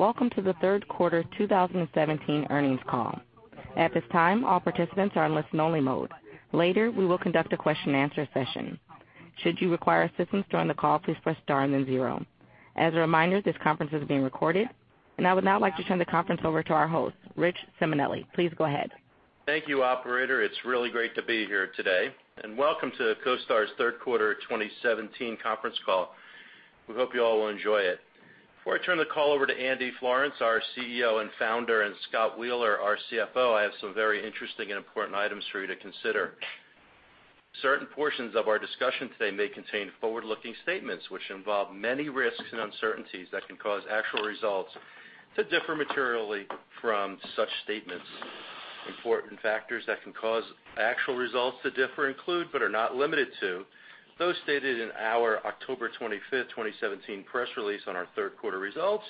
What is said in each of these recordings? Welcome to the third quarter 2017 earnings call. At this time, all participants are in listen only mode. Later, we will conduct a question and answer session. Should you require assistance during the call, please press star and then zero. As a reminder, this conference is being recorded. I would now like to turn the conference over to our host, Rich Simonelli. Please go ahead. Thank you, operator. It's really great to be here today, and welcome to CoStar's third quarter 2017 conference call. We hope you all will enjoy it. Before I turn the call over to Andy Florance, our CEO and founder, and Scott Wheeler, our CFO, I have some very interesting and important items for you to consider. Certain portions of our discussion today may contain forward-looking statements which involve many risks and uncertainties that can cause actual results to differ materially from such statements. Important factors that can cause actual results to differ include, but are not limited to, those stated in our October 25th, 2017, press release on our third quarter results,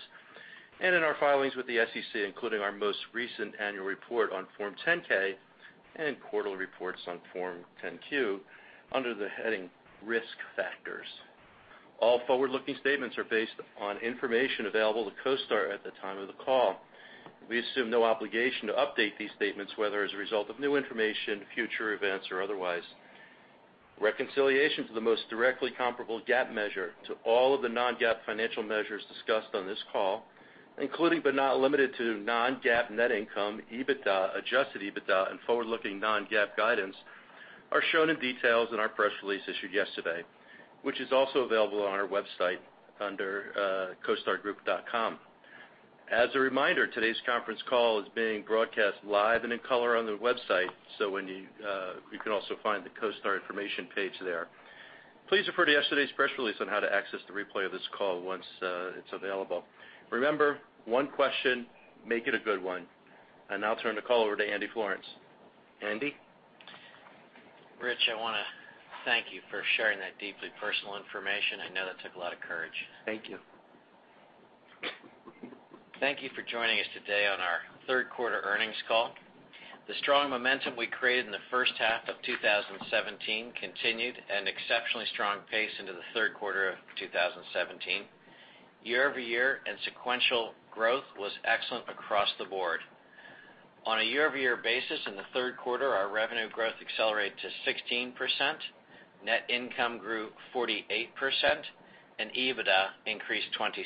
and in our filings with the SEC, including our most recent annual report on Form 10-K and quarterly reports on Form 10-Q under the heading Risk Factors. All forward-looking statements are based upon information available to CoStar at the time of the call. We assume no obligation to update these statements, whether as a result of new information, future events, or otherwise. Reconciliation to the most directly comparable GAAP measure to all of the non-GAAP financial measures discussed on this call, including but not limited to non-GAAP net income, EBITDA, adjusted EBITDA, and forward-looking non-GAAP guidance, are shown in details in our press release issued yesterday, which is also available on our website under costargroup.com. As a reminder, today's conference call is being broadcast live and in color on the website. You can also find the CoStar information page there. Please refer to yesterday's press release on how to access the replay of this call once it's available. Remember, one question, make it a good one. I now turn the call over to Andy Florance. Andy? Rich, I want to thank you for sharing that deeply personal information. I know that took a lot of courage. Thank you. Thank you for joining us today on our third quarter earnings call. The strong momentum we created in the first half of 2017 continued an exceptionally strong pace into the third quarter of 2017. Year-over-year and sequential growth was excellent across the board. On a year-over-year basis in the third quarter, our revenue growth accelerated to 16%, net income grew 48%, and EBITDA increased 26%.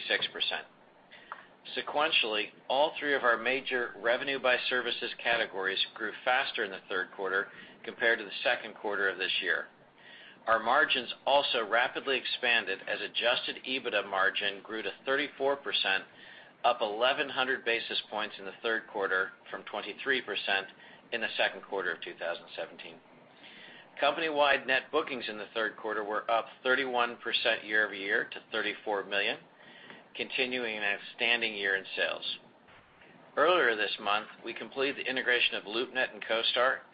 Sequentially, all three of our major revenue by services categories grew faster in the third quarter compared to the second quarter of this year. Our margins also rapidly expanded as adjusted EBITDA margin grew to 34%, up 1,100 basis points in the third quarter from 23% in the second quarter of 2017. Company-wide net bookings in the third quarter were up 31% year-over-year to $34 million, continuing an outstanding year in sales. Earlier this month, we completed the integration of LoopNet and CoStar.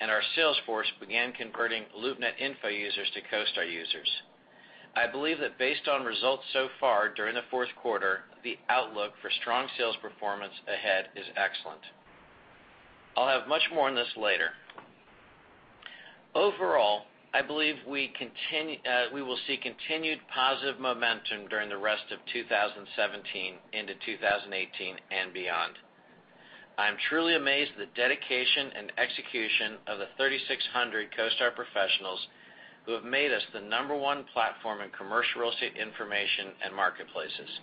Our sales force began converting LoopNet info users to CoStar users. I believe that based on results so far during the fourth quarter, the outlook for strong sales performance ahead is excellent. I will have much more on this later. Overall, I believe we will see continued positive momentum during the rest of 2017 into 2018 and beyond. I am truly amazed at the dedication and execution of the 3,600 CoStar professionals who have made us the number one platform in commercial real estate information and marketplaces.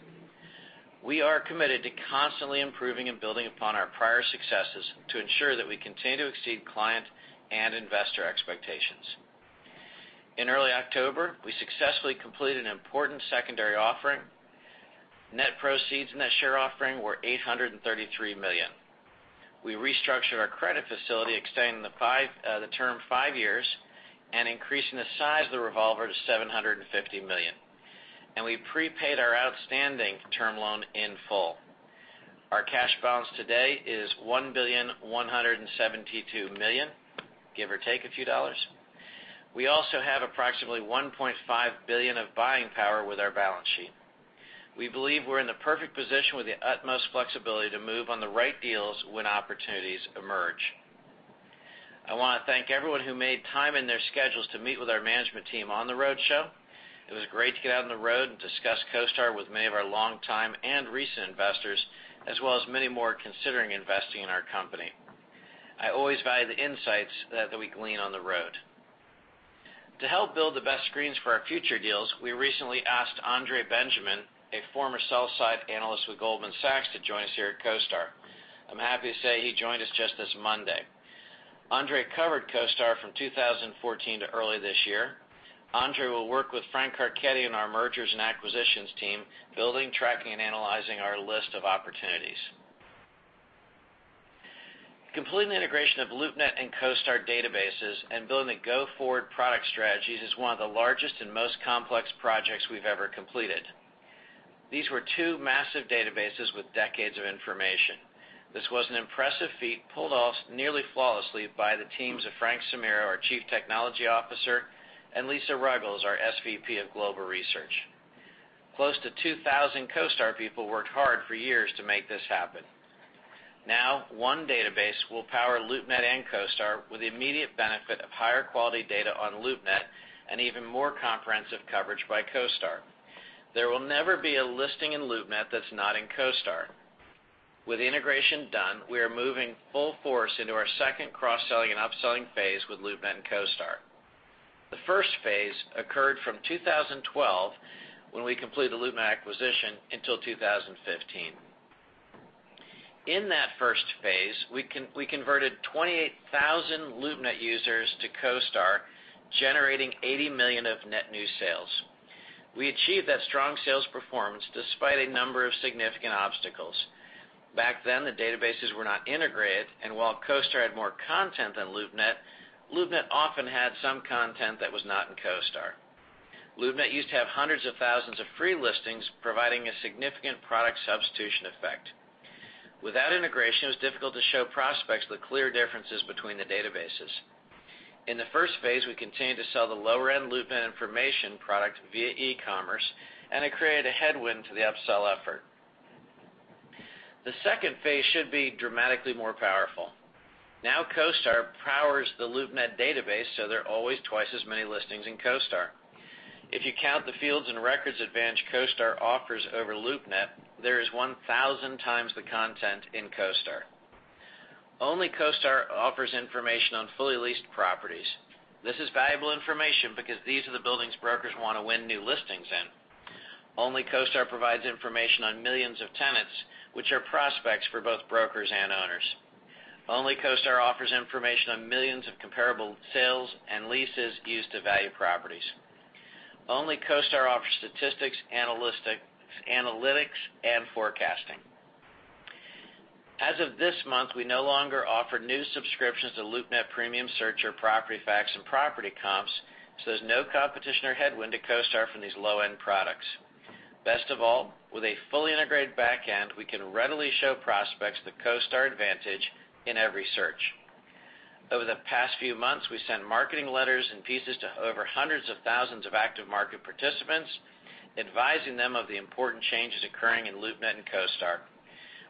We are committed to constantly improving and building upon our prior successes to ensure that we continue to exceed client and investor expectations. In early October, we successfully completed an important secondary offering. Net proceeds in that share offering were $833 million. We restructured our credit facility, extending the term five years, and increasing the size of the revolver to $750 million. We prepaid our outstanding term loan in full. Our cash balance today is $1,172,000,000, give or take a few dollars. We also have approximately $1.5 billion of buying power with our balance sheet. We believe we are in the perfect position with the utmost flexibility to move on the right deals when opportunities emerge. I want to thank everyone who made time in their schedules to meet with our management team on the roadshow. It was great to get out on the road and discuss CoStar with many of our longtime and recent investors, as well as many more considering investing in our company. I always value the insights that we glean on the road. To help build the best screens for our future deals, we recently asked Andre Benjamin, a former sell-side analyst with Goldman Sachs, to join us here at CoStar. I'm happy to say he joined us just this Monday. Andre covered CoStar from 2014 to early this year. Andre will work with Frank Carchedi and our mergers and acquisitions team, building, tracking, and analyzing our list of opportunities. Completing the integration of LoopNet and CoStar databases and building the go-forward product strategies is one of the largest and most complex projects we've ever completed. These were two massive databases with decades of information. This was an impressive feat pulled off nearly flawlessly by the teams of Frank Simuro, our Chief Technology Officer, and Lisa Ruggles, our SVP of Global Research. Close to 2,000 CoStar people worked hard for years to make this happen. Now one database will power LoopNet and CoStar with the immediate benefit of higher quality data on LoopNet and even more comprehensive coverage by CoStar. There will never be a listing in LoopNet that's not in CoStar. With integration done, we are moving full force into our second cross-selling and upselling phase with LoopNet and CoStar. The first phase occurred from 2012, when we completed the LoopNet acquisition, until 2015. In that first phase, we converted 28,000 LoopNet users to CoStar, generating $80 million of net new sales. We achieved that strong sales performance despite a number of significant obstacles. Back then, the databases were not integrated, and while CoStar had more content than LoopNet often had some content that was not in CoStar. LoopNet used to have hundreds of thousands of free listings, providing a significant product substitution effect. Without integration, it was difficult to show prospects the clear differences between the databases. In the first phase, we continued to sell the lower-end LoopNet information product via e-commerce, and it created a headwind to the upsell effort. The second phase should be dramatically more powerful. Now CoStar powers the LoopNet database, so there are always twice as many listings in CoStar. If you count the fields and records advantage CoStar offers over LoopNet, there is 1,000 times the content in CoStar. Only CoStar offers information on fully leased properties. This is valuable information because these are the buildings brokers want to win new listings in. Only CoStar provides information on millions of tenants, which are prospects for both brokers and owners. Only CoStar offers information on millions of comparable sales and leases used to value properties. Only CoStar offers statistics, analytics, and forecasting. As of this month, we no longer offer new subscriptions to LoopNet Premium Search or property facts and property comps, so there's no competition or headwind to CoStar from these low-end products. Best of all, with a fully integrated back-end, we can readily show prospects the CoStar advantage in every search. Over the past few months, we've sent marketing letters and pieces to over hundreds of thousands of active market participants, advising them of the important changes occurring in LoopNet and CoStar.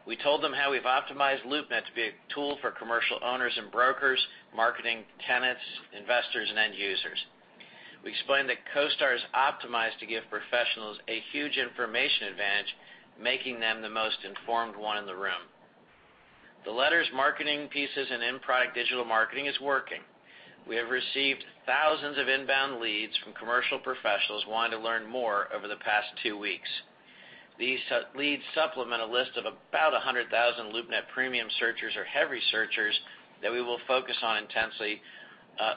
We told them how we've optimized LoopNet to be a tool for commercial owners and brokers, marketing tenants, investors, and end users. We explained that CoStar is optimized to give professionals a huge information advantage, making them the most informed one in the room. The letters, marketing pieces, and in-product digital marketing is working. We have received thousands of inbound leads from commercial professionals wanting to learn more over the past two weeks. These leads supplement a list of about 100,000 LoopNet Premium Searchers or heavy searchers that we will focus on intensely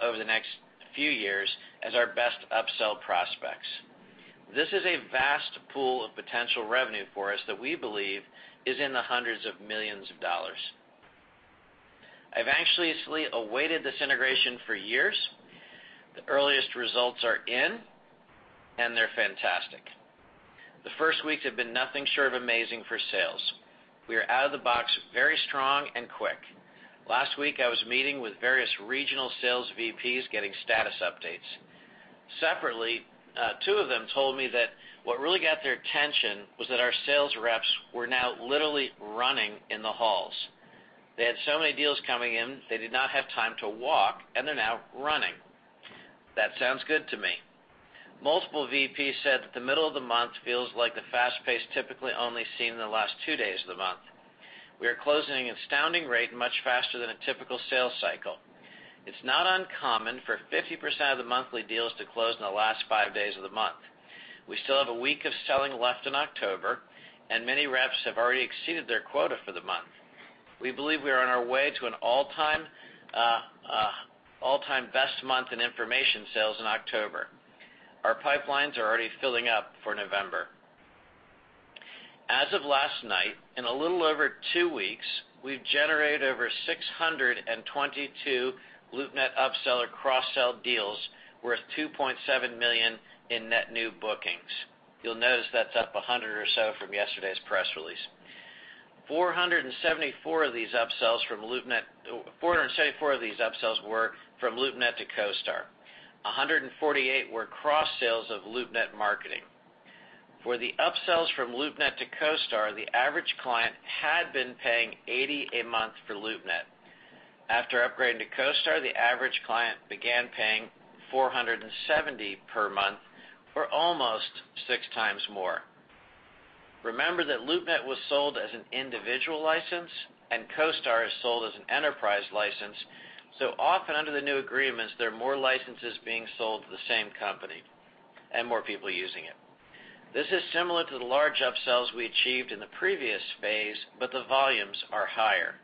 over the next few years as our best upsell prospects. This is a vast pool of potential revenue for us that we believe is in the $hundreds of millions. I've anxiously awaited this integration for years. The earliest results are in, and they're fantastic. The first weeks have been nothing short of amazing for sales. We are out of the box, very strong and quick. Last week, I was meeting with various regional sales VPs getting status updates. Separately, two of them told me that what really got their attention was that our sales reps were now literally running in the halls. They had so many deals coming in, they did not have time to walk, and they're now running. That sounds good to me. Multiple VPs said that the middle of the month feels like the fast pace typically only seen in the last two days of the month. We are closing at an astounding rate, much faster than a typical sales cycle. It's not uncommon for 50% of the monthly deals to close in the last five days of the month. We still have a week of selling left in October, and many reps have already exceeded their quota for the month. We believe we are on our way to an all-time best month in information sales in October. Our pipelines are already filling up for November. As of last night, in a little over two weeks, we've generated over 622 LoopNet upsell or cross-sell deals worth $2.7 million in net new bookings. You'll notice that's up 100 or so from yesterday's press release. 474 of these upsells were from LoopNet to CoStar. 148 were cross-sales of LoopNet marketing. For the upsells from LoopNet to CoStar, the average client had been paying $80 a month for LoopNet. After upgrading to CoStar, the average client began paying $470 per month for almost six times more. Remember that LoopNet was sold as an individual license, and CoStar is sold as an an enterprise license, so often under the new agreements, there are more licenses being sold to the same company and more people using it. This is similar to the large upsells we achieved in the previous phase, but the volumes are higher.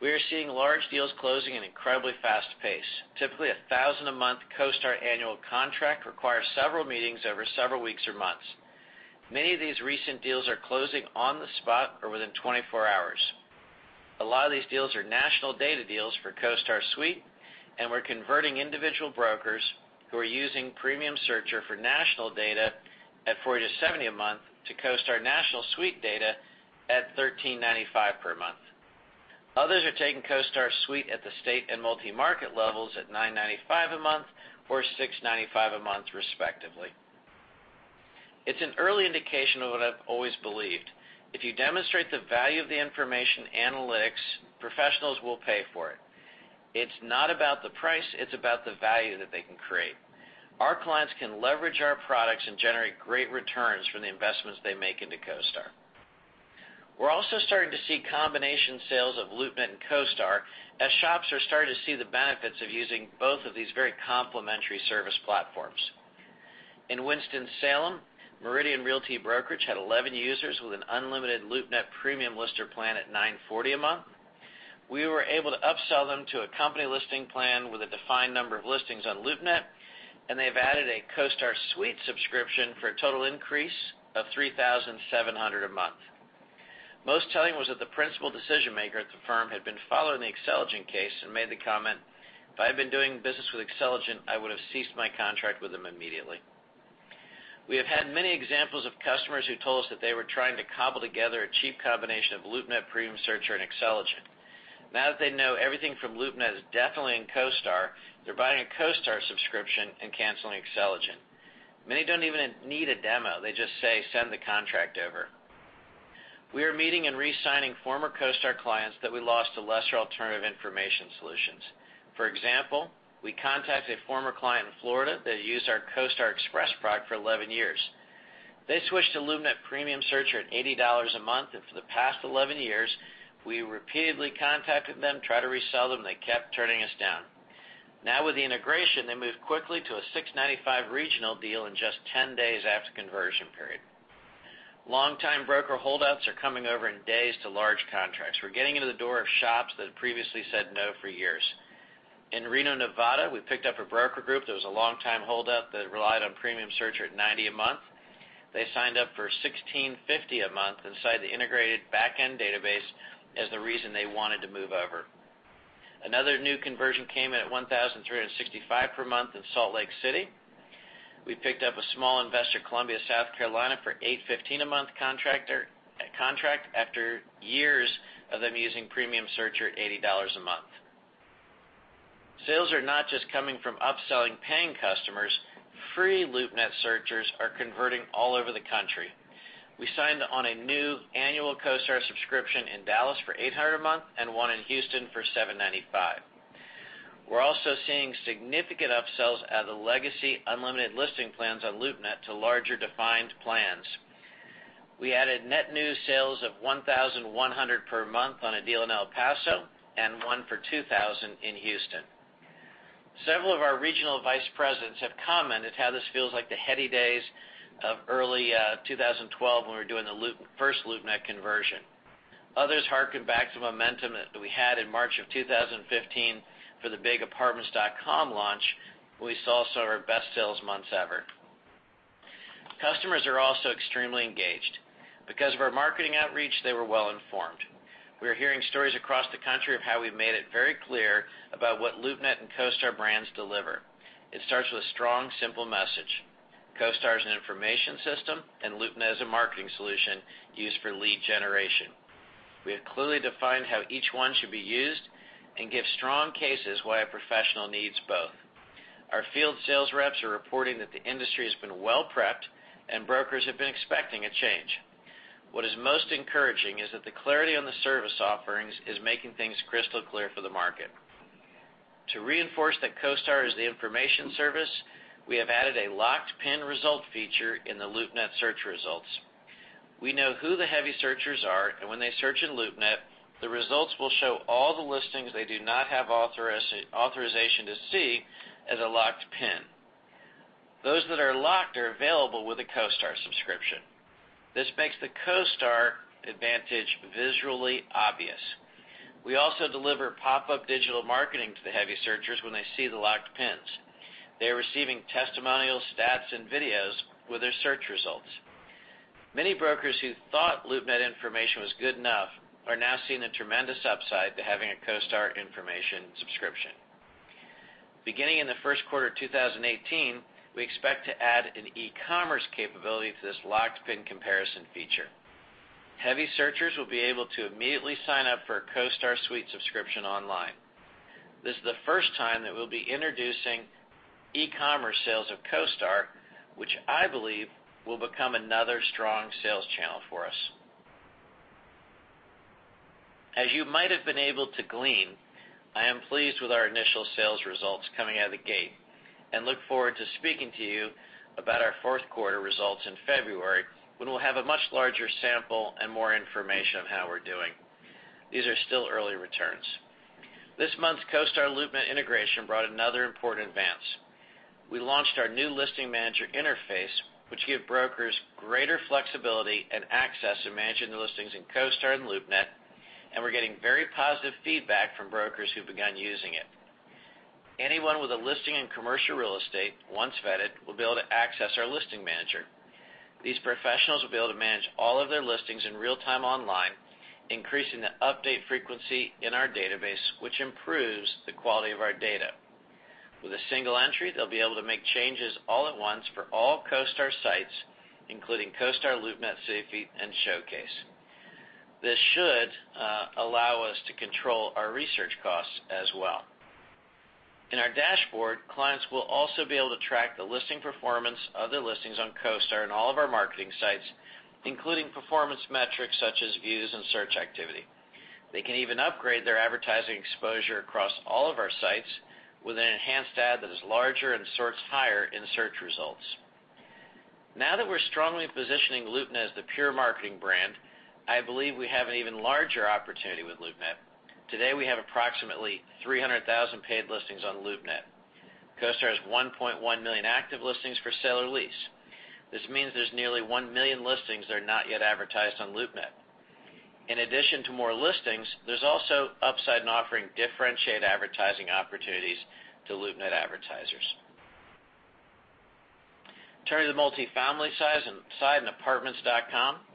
We are seeing large deals closing at an incredibly fast pace. Typically, a $1,000 a month CoStar annual contract requires several meetings over several weeks or months. Many of these recent deals are closing on the spot or within 24 hours. A lot of these deals are national data deals for CoStar Suite, and we're converting individual brokers who are using Premium Searcher for national data at $40-$70 a month to CoStar National Suite data at $1,395 per month. Others are taking CoStar Suite at the state and multi-market levels at $995 a month or $695 a month, respectively. It's an early indication of what I've always believed. If you demonstrate the value of the information, analytics professionals will pay for it. It's not about the price, it's about the value that they can create. Our clients can leverage our products and generate great returns from the investments they make into CoStar. We are also starting to see combination sales of LoopNet and CoStar as shops are starting to see the benefits of using both of these very complementary service platforms. In Winston-Salem, Meridian Realty Brokerage had 11 users with an unlimited LoopNet Premium Lister plan at $940 a month. We were able to upsell them to a company listing plan with a defined number of listings on LoopNet, and they have added a CoStar Suite subscription for a total increase of $3,700 a month. Most telling was that the principal decision-maker at the firm had been following the Xceligent case and made the comment, "If I had been doing business with Xceligent, I would have ceased my contract with them immediately." We have had many examples of customers who told us that they were trying to cobble together a cheap combination of LoopNet Premium Searcher and Xceligent. Now that they know everything from LoopNet is definitely in CoStar, they are buying a CoStar subscription and canceling Xceligent. Many do not even need a demo. They just say, "Send the contract over." We are meeting and re-signing former CoStar clients that we lost to lesser alternative information solutions. For example, we contacted a former client in Florida that used our CoStar Express product for 11 years. They switched to LoopNet Premium Searcher at $80 a month, and for the past 11 years, we repeatedly contacted them to try to resell them. They kept turning us down. Now with the integration, they moved quickly to a $695 regional deal in just 10 days after the conversion period. Long-time broker holdouts are coming over in days to large contracts. We are getting into the door of shops that had previously said no for years. In Reno, Nevada, we picked up a broker group that was a long-time holdout that relied on Premium Searcher at $90 a month. They signed up for $1,650 a month and cited the integrated back-end database as the reason they wanted to move over. Another new conversion came in at $1,365 per month in Salt Lake City. We picked up a small investor in Columbia, South Carolina for an $815 a month contract after years of them using Premium Searcher at $80 a month. Sales are not just coming from upselling paying customers. Free LoopNet searchers are converting all over the country. We signed on a new annual CoStar subscription in Dallas for $800 a month and one in Houston for $795. We are also seeing significant upsells out of the legacy unlimited listing plans on LoopNet to larger defined plans. We added net new sales of $1,100 per month on a deal in El Paso and one for $2,000 in Houston. Several of our regional vice presidents have commented how this feels like the heady days of early 2012 when we were doing the first LoopNet conversion. Others harken back to the momentum that we had in March of 2015 for the big Apartments.com launch, when we saw some of our best sales months ever. Customers are also extremely engaged. Because of our marketing outreach, they were well-informed. We are hearing stories across the country of how we've made it very clear about what LoopNet and CoStar brands deliver. It starts with a strong, simple message. CoStar is an information system, LoopNet is a marketing solution used for lead generation. We have clearly defined how each one should be used and give strong cases why a professional needs both. Our field sales reps are reporting that the industry has been well-prepped and brokers have been expecting a change. What is most encouraging is that the clarity on the service offerings is making things crystal clear for the market. To reinforce that CoStar is the information service, we have added a locked pin result feature in the LoopNet search results. We know who the heavy searchers are, when they search in LoopNet, the results will show all the listings they do not have authorization to see as a locked pin. Those that are locked are available with a CoStar subscription. This makes the CoStar advantage visually obvious. We also deliver pop-up digital marketing to the heavy searchers when they see the locked pins. They are receiving testimonials, stats, and videos with their search results. Many brokers who thought LoopNet information was good enough are now seeing the tremendous upside to having a CoStar information subscription. Beginning in the first quarter of 2018, we expect to add an e-commerce capability to this locked pin comparison feature. Heavy searchers will be able to immediately sign up for a CoStar Suite subscription online. This is the first time that we'll be introducing e-commerce sales of CoStar, which I believe will become another strong sales channel for us. As you might have been able to glean, I am pleased with our initial sales results coming out of the gate and look forward to speaking to you about our fourth-quarter results in February, when we'll have a much larger sample and more information on how we're doing. These are still early returns. This month's CoStar-LoopNet integration brought another important advance. We launched our new listing manager interface, which give brokers greater flexibility and access to managing the listings in CoStar and LoopNet, we're getting very positive feedback from brokers who've begun using it. Anyone with a listing in commercial real estate, once vetted, will be able to access our listing manager. These professionals will be able to manage all of their listings in real-time online, increasing the update frequency in our database, which improves the quality of our data. With a single entry, they'll be able to make changes all at once for all CoStar sites, including CoStar, LoopNet, CityFeet, and CoStar Showcase. This should allow us to control our research costs as well. In our dashboard, clients will also be able to track the listing performance of their listings on CoStar and all of our marketing sites, including performance metrics such as views and search activity. They can even upgrade their advertising exposure across all of our sites with an enhanced ad that is larger and sorts higher in search results. Now that we're strongly positioning LoopNet as the pure marketing brand, I believe we have an even larger opportunity with LoopNet. Today, we have approximately 300,000 paid listings on LoopNet. CoStar has 1.1 million active listings for sale or lease. This means there's nearly 1 million listings that are not yet advertised on LoopNet. In addition to more listings, there's also upside in offering differentiated advertising opportunities to LoopNet advertisers. Turning to the multifamily side and apartments.com, Apartment Finder, and the like.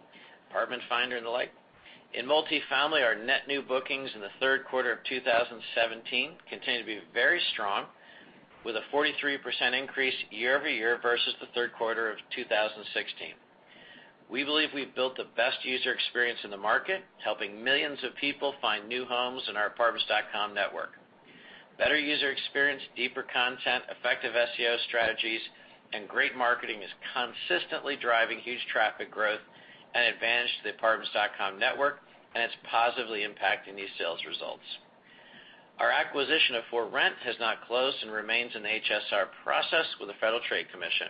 In multifamily, our net new bookings in the third quarter of 2017 continue to be very strong, with a 43% increase year-over-year versus the third quarter of 2016. We believe we've built the best user experience in the market, helping millions of people find new homes in our apartments.com network. Better user experience, deeper content, effective SEO strategies, and great marketing is consistently driving huge traffic growth and advantage to the apartments.com network, and it's positively impacting these sales results. Our acquisition of ForRent has not closed and remains in the HSR process with the Federal Trade Commission.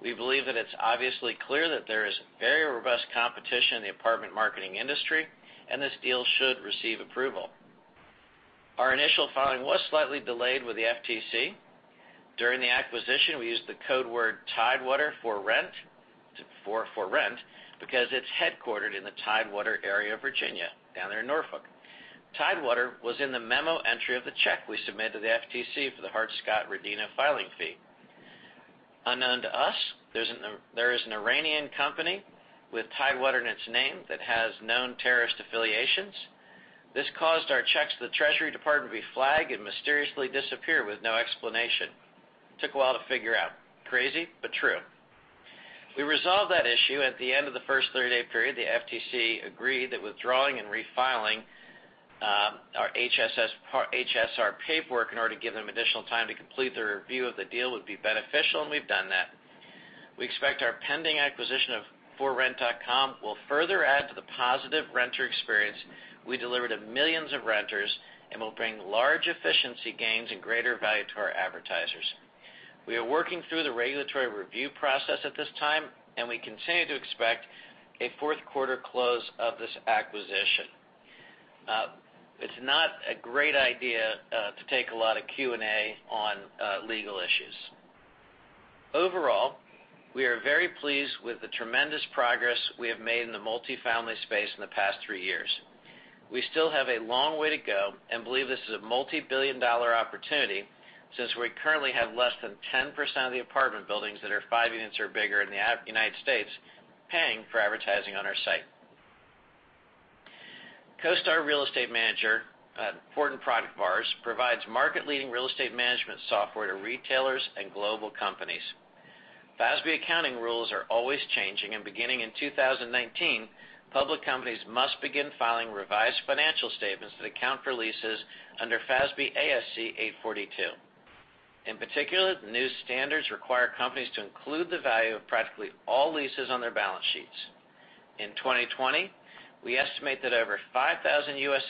We believe that it's obviously clear that there is very robust competition in the apartment marketing industry, and this deal should receive approval. Our initial filing was slightly delayed with the FTC. During the acquisition, we used the code word Tidewater ForRent for ForRent because it's headquartered in the Tidewater area of Virginia, down there in Norfolk. Tidewater was in the memo entry of the check we submitted to the FTC for the Hart-Scott-Rodino filing fee. Unknown to us, there is an Iranian company with Tidewater in its name that has known terrorist affiliations. This caused our checks to the Treasury Department to be flagged and mysteriously disappear with no explanation. Took a while to figure out. Crazy, but true. We resolved that issue at the end of the first 30-day period. The FTC agreed that withdrawing and refiling our HSR paperwork in order to give them additional time to complete their review of the deal would be beneficial, and we've done that. We expect our pending acquisition of ForRent.com will further add to the positive renter experience we deliver to millions of renters and will bring large efficiency gains and greater value to our advertisers. We are working through the regulatory review process at this time, and we continue to expect a fourth-quarter close of this acquisition. It's not a great idea to take a lot of Q&A on legal issues. Overall, we are very pleased with the tremendous progress we have made in the multifamily space in the past three years. We still have a long way to go and believe this is a multi-billion-dollar opportunity, since we currently have less than 10% of the apartment buildings that are five units or bigger in the United States paying for advertising on our site. CoStar Real Estate Manager, an important product of ours, provides market-leading real estate management software to retailers and global companies. FASB accounting rules are always changing, and beginning in 2019, public companies must begin filing revised financial statements that account for leases under FASB ASC 842. In particular, the new standards require companies to include the value of practically all leases on their balance sheets. In 2020, we estimate that over 5,000 U.S.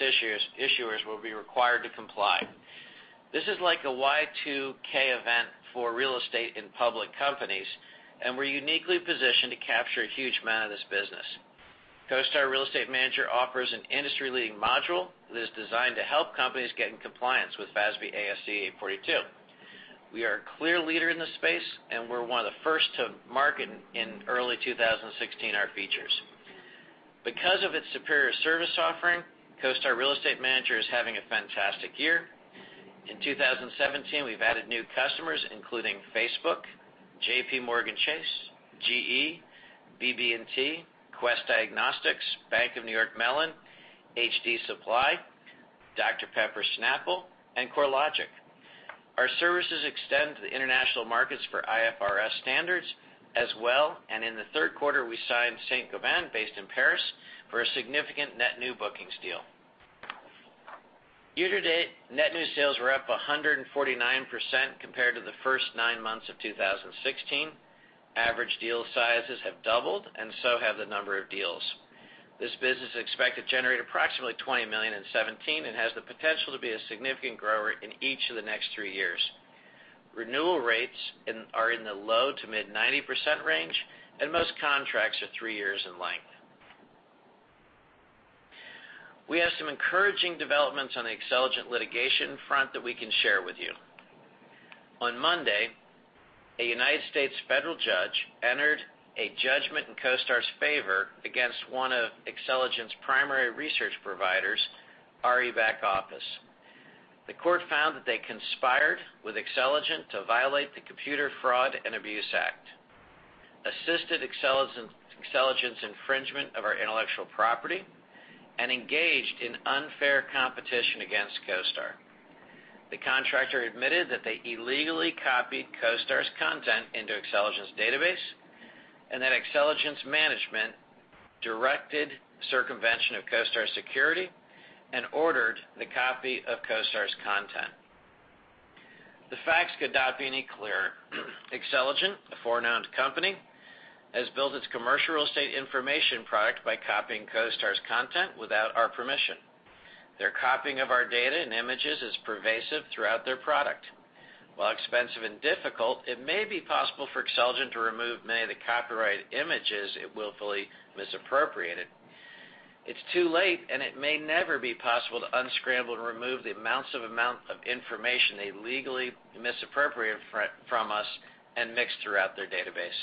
issuers will be required to comply. This is like a Y2K event for real estate in public companies, and we're uniquely positioned to capture a huge amount of this business. CoStar Real Estate Manager offers an industry-leading module that is designed to help companies get in compliance with FASB ASC 842. We are a clear leader in this space, and we're one of the first to market in early 2016 our features. Because of its superior service offering, CoStar Real Estate Manager is having a fantastic year. In 2017, we've added new customers, including Facebook, JPMorgan Chase, GE, BB&T, Quest Diagnostics, Bank of New York Mellon, HD Supply, Dr. Pepper Snapple, and CoreLogic. Our services extend to the international markets for IFRS standards as well, and in the third quarter, we signed Saint-Gobain, based in Paris, for a significant net new bookings deal. Year-to-date, net new sales were up 149% compared to the first nine months of 2016. Average deal sizes have doubled, and so have the number of deals. This business is expected to generate approximately $20 million in 2017 and has the potential to be a significant grower in each of the next three years. Renewal rates are in the low to mid 90% range, and most contracts are three years in length. We have some encouraging developments on the Xceligent litigation front that we can share with you. On Monday, a United States federal judge entered a judgment in CoStar's favor against one of Xceligent's primary research providers, RE Back Office. The court found that they conspired with Xceligent to violate the Computer Fraud and Abuse Act, assisted Xceligent's infringement of our intellectual property, and engaged in unfair competition against CoStar. The contractor admitted that they illegally copied CoStar's content into Xceligent's database. Xceligent's management directed circumvention of CoStar security and ordered the copy of CoStar's content. The facts could not be any clearer. Xceligent, a foreknown company, has built its commercial real estate information product by copying CoStar's content without our permission. Their copying of our data and images is pervasive throughout their product. While expensive and difficult, it may be possible for Xceligent to remove many of the copyright images it willfully misappropriated. It's too late, and it may never be possible to unscramble and remove the massive amount of information they legally misappropriated from us and mixed throughout their database.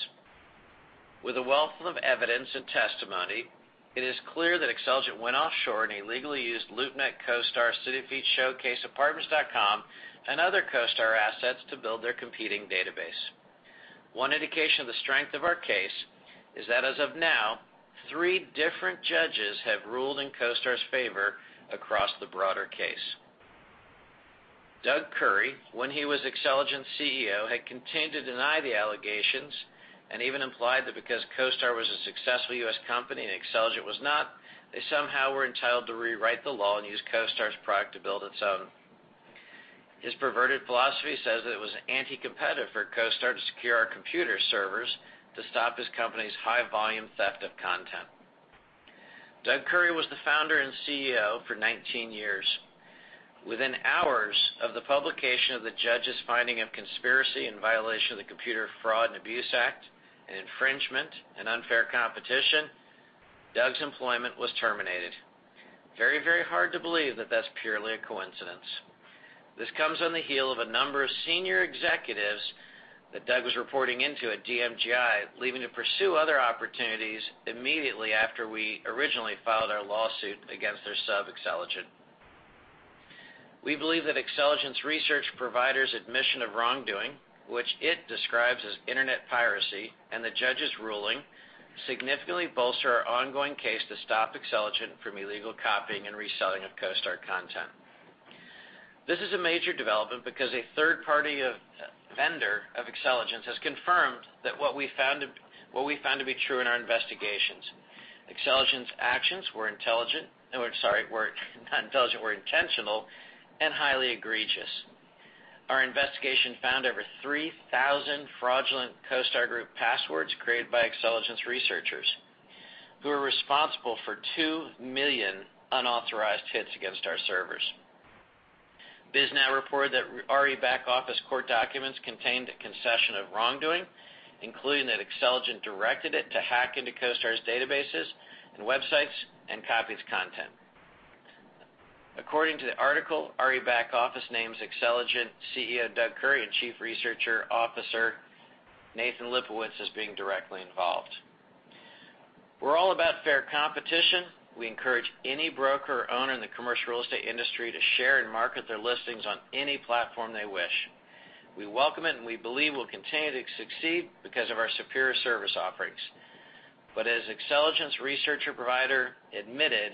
With a wealth of evidence and testimony, it is clear that Xceligent went offshore and illegally used LoopNet, CoStar, CityFeet, Showcase, apartments.com, and other CoStar assets to build their competing database. One indication of the strength of our case is that as of now, three different judges have ruled in CoStar's favor across the broader case. Doug Curry, when he was Xceligent's CEO, had continued to deny the allegations and even implied that because CoStar was a successful U.S. company and Xceligent was not, they somehow were entitled to rewrite the law and use CoStar's product to build its own. His perverted philosophy says that it was anti-competitive for CoStar to secure our computer servers to stop his company's high-volume theft of content. Doug Curry was the founder and CEO for 19 years. Within hours of the publication of the judge's finding of conspiracy in violation of the Computer Fraud and Abuse Act, and infringement, and unfair competition, Doug's employment was terminated. Very hard to believe that that's purely a coincidence. This comes on the heel of a number of senior executives that Doug was reporting into at DMGI, leaving to pursue other opportunities immediately after we originally filed our lawsuit against their sub, Xceligent. We believe that Xceligent's research provider's admission of wrongdoing, which it describes as internet piracy, and the judge's ruling significantly bolster our ongoing case to stop Xceligent from illegal copying and reselling of CoStar content. This is a major development because a third-party vendor of Xceligent's has confirmed what we found to be true in our investigations. Xceligent's actions were intentional and highly egregious. Our investigation found over 3,000 fraudulent CoStar Group passwords created by Xceligent's researchers, who are responsible for 2 million unauthorized hits against our servers. Bisnow reported that RE BackOffice court documents contained a concession of wrongdoing, including that Xceligent directed it to hack into CoStar's databases and websites and copy its content. According to the article, RE BackOffice names Xceligent CEO Doug Curry and Chief Research Officer Nathan Lipowicz as being directly involved. We're all about fair competition. We encourage any broker or owner in the commercial real estate industry to share and market their listings on any platform they wish. We welcome it. We believe we'll continue to succeed because of our superior service offerings. As Xceligent's research provider admitted,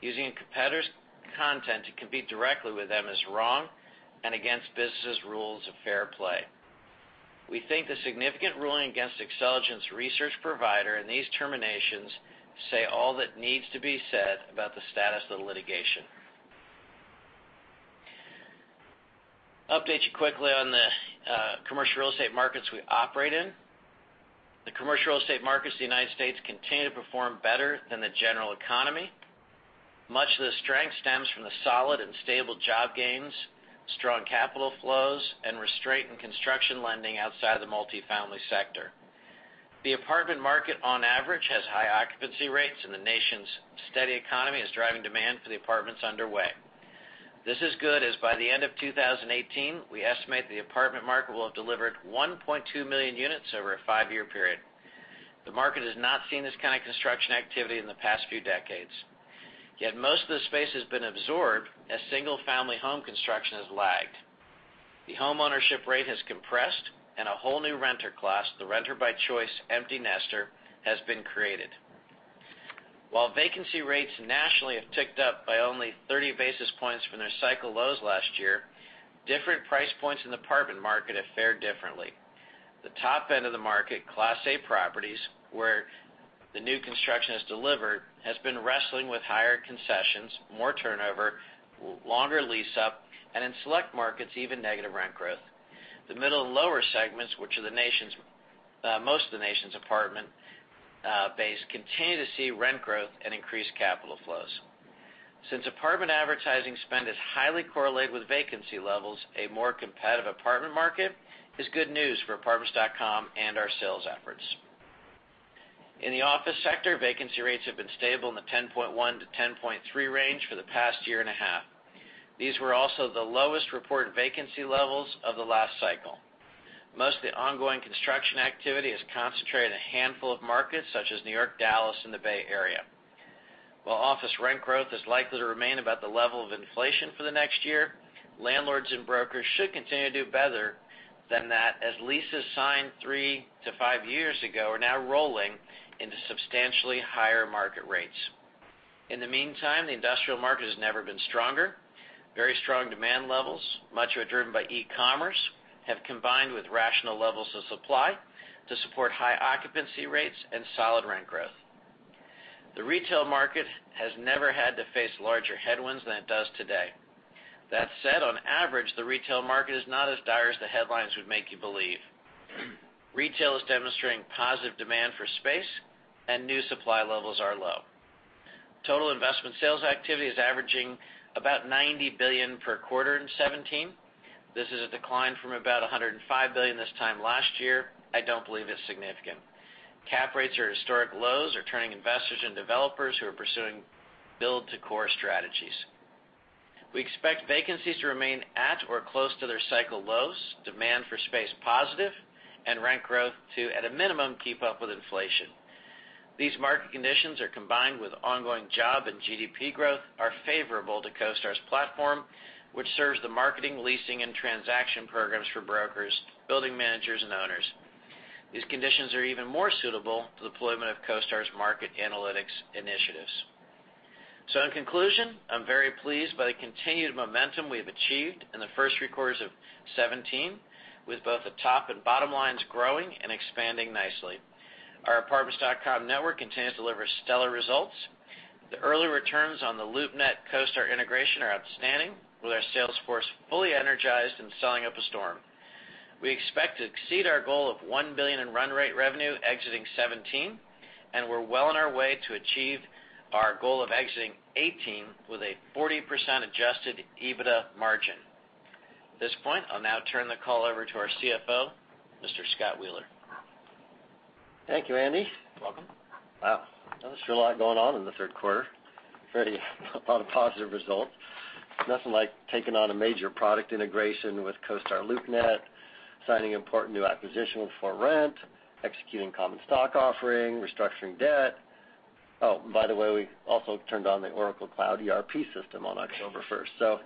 using a competitor's content to compete directly with them is wrong and against business's rules of fair play. We think the significant ruling against Xceligent's research provider and these terminations say all that needs to be said about the status of the litigation. Update you quickly on the commercial real estate markets we operate in. The commercial real estate markets in the U.S. continue to perform better than the general economy. Much of this strength stems from the solid and stable job gains, strong capital flows, and restraint in construction lending outside the multifamily sector. The apartment market, on average, has high occupancy rates. The nation's steady economy is driving demand for the apartments underway. This is good, as by the end of 2018, we estimate the apartment market will have delivered 1.2 million units over a five-year period. The market has not seen this kind of construction activity in the past few decades. Most of the space has been absorbed as single-family home construction has lagged. The homeownership rate has compressed. A whole new renter class, the renter-by-choice empty nester, has been created. While vacancy rates nationally have ticked up by only 30 basis points from their cycle lows last year, different price points in the apartment market have fared differently. The top end of the market, Class A properties, where the new construction is delivered, has been wrestling with higher concessions, more turnover, longer lease-up, and in select markets, even negative rent growth. The middle and lower segments, which are most of the nation's apartment base, continue to see rent growth and increased capital flows. Since apartment advertising spend is highly correlated with vacancy levels, a more competitive apartment market is good news for apartments.com and our sales efforts. In the office sector, vacancy rates have been stable in the 10.1 to 10.3 range for the past year and a half. These were also the lowest reported vacancy levels of the last cycle. Most of the ongoing construction activity is concentrated in a handful of markets, such as New York, Dallas, and the Bay Area. While office rent growth is likely to remain about the level of inflation for the next year, landlords and brokers should continue to do better than that, as leases signed three to five years ago are now rolling into substantially higher market rates. In the meantime, the industrial market has never been stronger. Very strong demand levels, much of it driven by e-commerce, have combined with rational levels of supply to support high occupancy rates and solid rent growth. The retail market has never had to face larger headwinds than it does today. That said, on average, the retail market is not as dire as the headlines would make you believe. Retail is demonstrating positive demand for space and new supply levels are low. Total investment sales activity is averaging about $90 billion per quarter in 2017. This is a decline from about $105 billion this time last year. I don't believe it's significant. Cap rates are at historic lows are turning investors into developers who are pursuing build-to-core strategies. We expect vacancies to remain at or close to their cycle lows, demand for space positive, and rent growth to, at a minimum, keep up with inflation. These market conditions, combined with ongoing job and GDP growth, are favorable to CoStar's platform, which serves the marketing, leasing, and transaction programs for brokers, building managers, and owners. These conditions are even more suitable for deployment of CoStar's market analytics initiatives. In conclusion, I'm very pleased by the continued momentum we have achieved in the first three quarters of 2017, with both the top and bottom lines growing and expanding nicely. Our Apartments.com network continues to deliver stellar results. The early returns on the LoopNet CoStar integration are outstanding, with our sales force fully energized and selling up a storm. We expect to exceed our goal of $1 billion in run rate revenue exiting 2017, and we're well on our way to achieve our goal of exiting 2018 with a 40% adjusted EBITDA margin. At this point, I'll now turn the call over to our CFO, Mr. Scott Wheeler. Thank you, Andy. You're welcome. Wow. There was sure a lot going on in the third quarter. A lot of positive results. Nothing like taking on a major product integration with CoStar LoopNet, signing an important new acquisition with ForRent, executing common stock offering, restructuring debt. By the way, we also turned on the Oracle Cloud ERP system on October 1st. How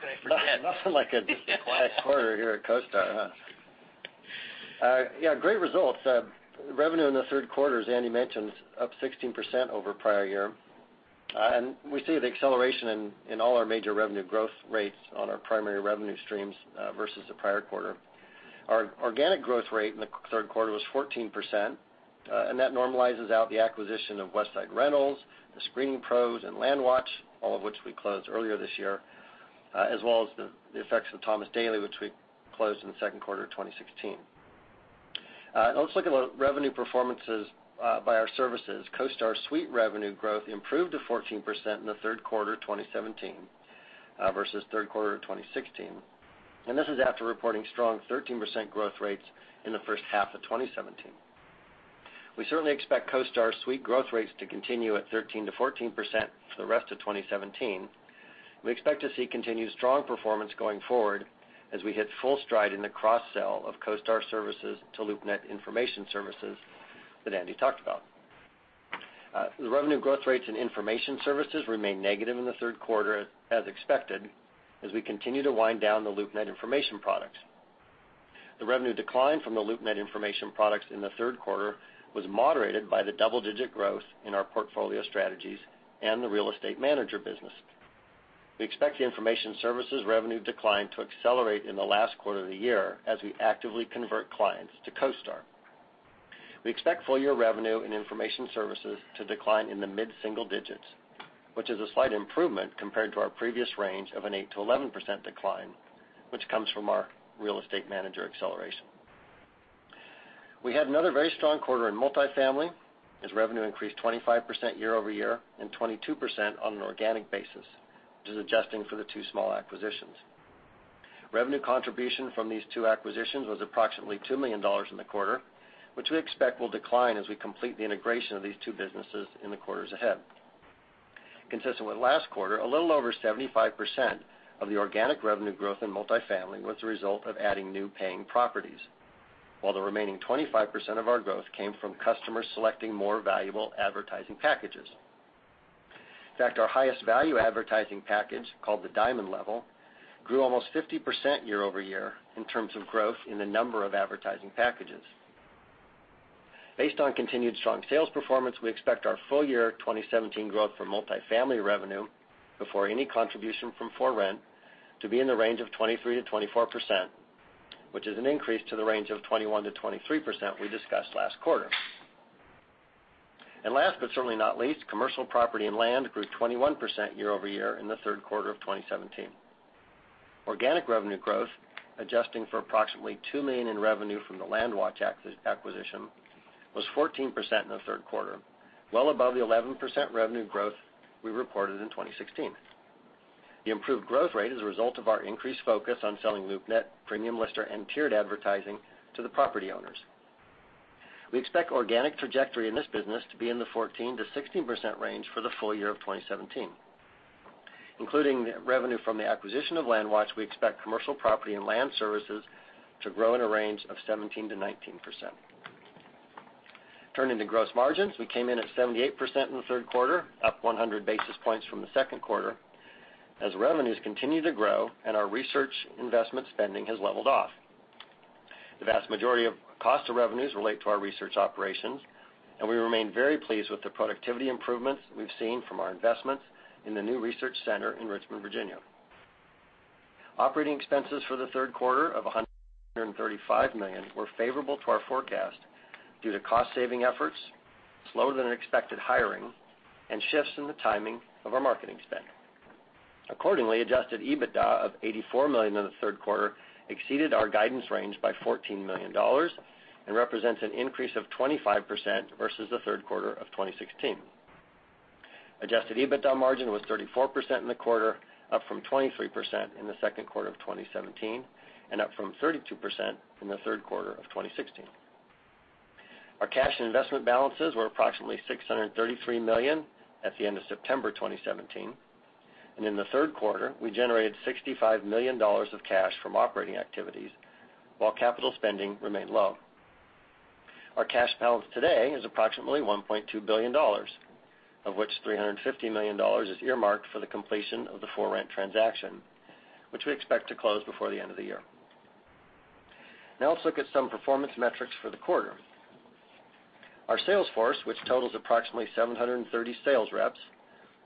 could I forget? Nothing like a quiet quarter here at CoStar, huh? Yeah, great results. Revenue in the third quarter, as Andy mentioned, is up 16% over prior year. We see the acceleration in all our major revenue growth rates on our primary revenue streams versus the prior quarter. Our organic growth rate in the third quarter was 14%, and that normalizes out the acquisition of Westside Rentals, the Screening Pros, and LandWatch, all of which we closed earlier this year, as well as the effects of Thomas Daily, which we closed in the second quarter of 2016. Let's look at the revenue performances by our services. CoStar Suite revenue growth improved to 14% in the third quarter 2017 versus third quarter of 2016, and this is after reporting strong 13% growth rates in the first half of 2017. We certainly expect CoStar Suite growth rates to continue at 13%-14% for the rest of 2017. We expect to see continued strong performance going forward as we hit full stride in the cross-sell of CoStar services to LoopNet information services that Andy talked about. The revenue growth rates in information services remained negative in the third quarter as expected, as we continue to wind down the LoopNet information products. The revenue decline from the LoopNet information products in the third quarter was moderated by the double-digit growth in our portfolio strategies and the Real Estate Manager business. We expect the information services revenue decline to accelerate in the last quarter of the year as we actively convert clients to CoStar. We expect full-year revenue in information services to decline in the mid-single digits, which is a slight improvement compared to our previous range of an 8%-11% decline, which comes from our Real Estate Manager acceleration. We had another very strong quarter in multifamily, as revenue increased 25% year-over-year and 22% on an organic basis, which is adjusting for the two small acquisitions. Revenue contribution from these two acquisitions was approximately $2 million in the quarter, which we expect will decline as we complete the integration of these two businesses in the quarters ahead. Consistent with last quarter, a little over 75% of the organic revenue growth in multifamily was the result of adding new paying properties, while the remaining 25% of our growth came from customers selecting more valuable advertising packages. In fact, our highest value advertising package, called the Diamond level, grew almost 50% year-over-year in terms of growth in the number of advertising packages. Based on continued strong sales performance, we expect our full-year 2017 growth for multifamily revenue, before any contribution from ForRent, to be in the range of 23%-24%, which is an increase to the range of 21%-23% we discussed last quarter. Last, but certainly not least, commercial property and land grew 21% year-over-year in the third quarter of 2017. Organic revenue growth, adjusting for approximately $2 million in revenue from the LandWatch acquisition, was 14% in the third quarter, well above the 11% revenue growth we reported in 2016. The improved growth rate is a result of our increased focus on selling LoopNet Premium Lister and tiered advertising to the property owners. We expect organic trajectory in this business to be in the 14%-16% range for the full year of 2017. Including revenue from the acquisition of LandWatch, we expect commercial property and land services to grow in a range of 17%-19%. Turning to gross margins, we came in at 78% in the third quarter, up 100 basis points from the second quarter, as revenues continue to grow and our research investment spending has leveled off. The vast majority of cost of revenues relate to our research operations, and we remain very pleased with the productivity improvements we've seen from our investments in the new research center in Richmond, Virginia. Operating expenses for the third quarter of $135 million were favorable to our forecast due to cost-saving efforts, slower than expected hiring, and shifts in the timing of our marketing spend. Accordingly, adjusted EBITDA of $84 million in the third quarter exceeded our guidance range by $14 million and represents an increase of 25% versus the third quarter of 2016. Adjusted EBITDA margin was 34% in the quarter, up from 23% in the second quarter of 2017, and up from 32% from the third quarter of 2016. Our cash and investment balances were approximately $633 million at the end of September 2017. In the third quarter, we generated $65 million of cash from operating activities while capital spending remained low. Our cash balance today is approximately $1.2 billion, of which $350 million is earmarked for the completion of the ForRent transaction, which we expect to close before the end of the year. Now let's look at some performance metrics for the quarter. Our sales force, which totals approximately 730 sales reps,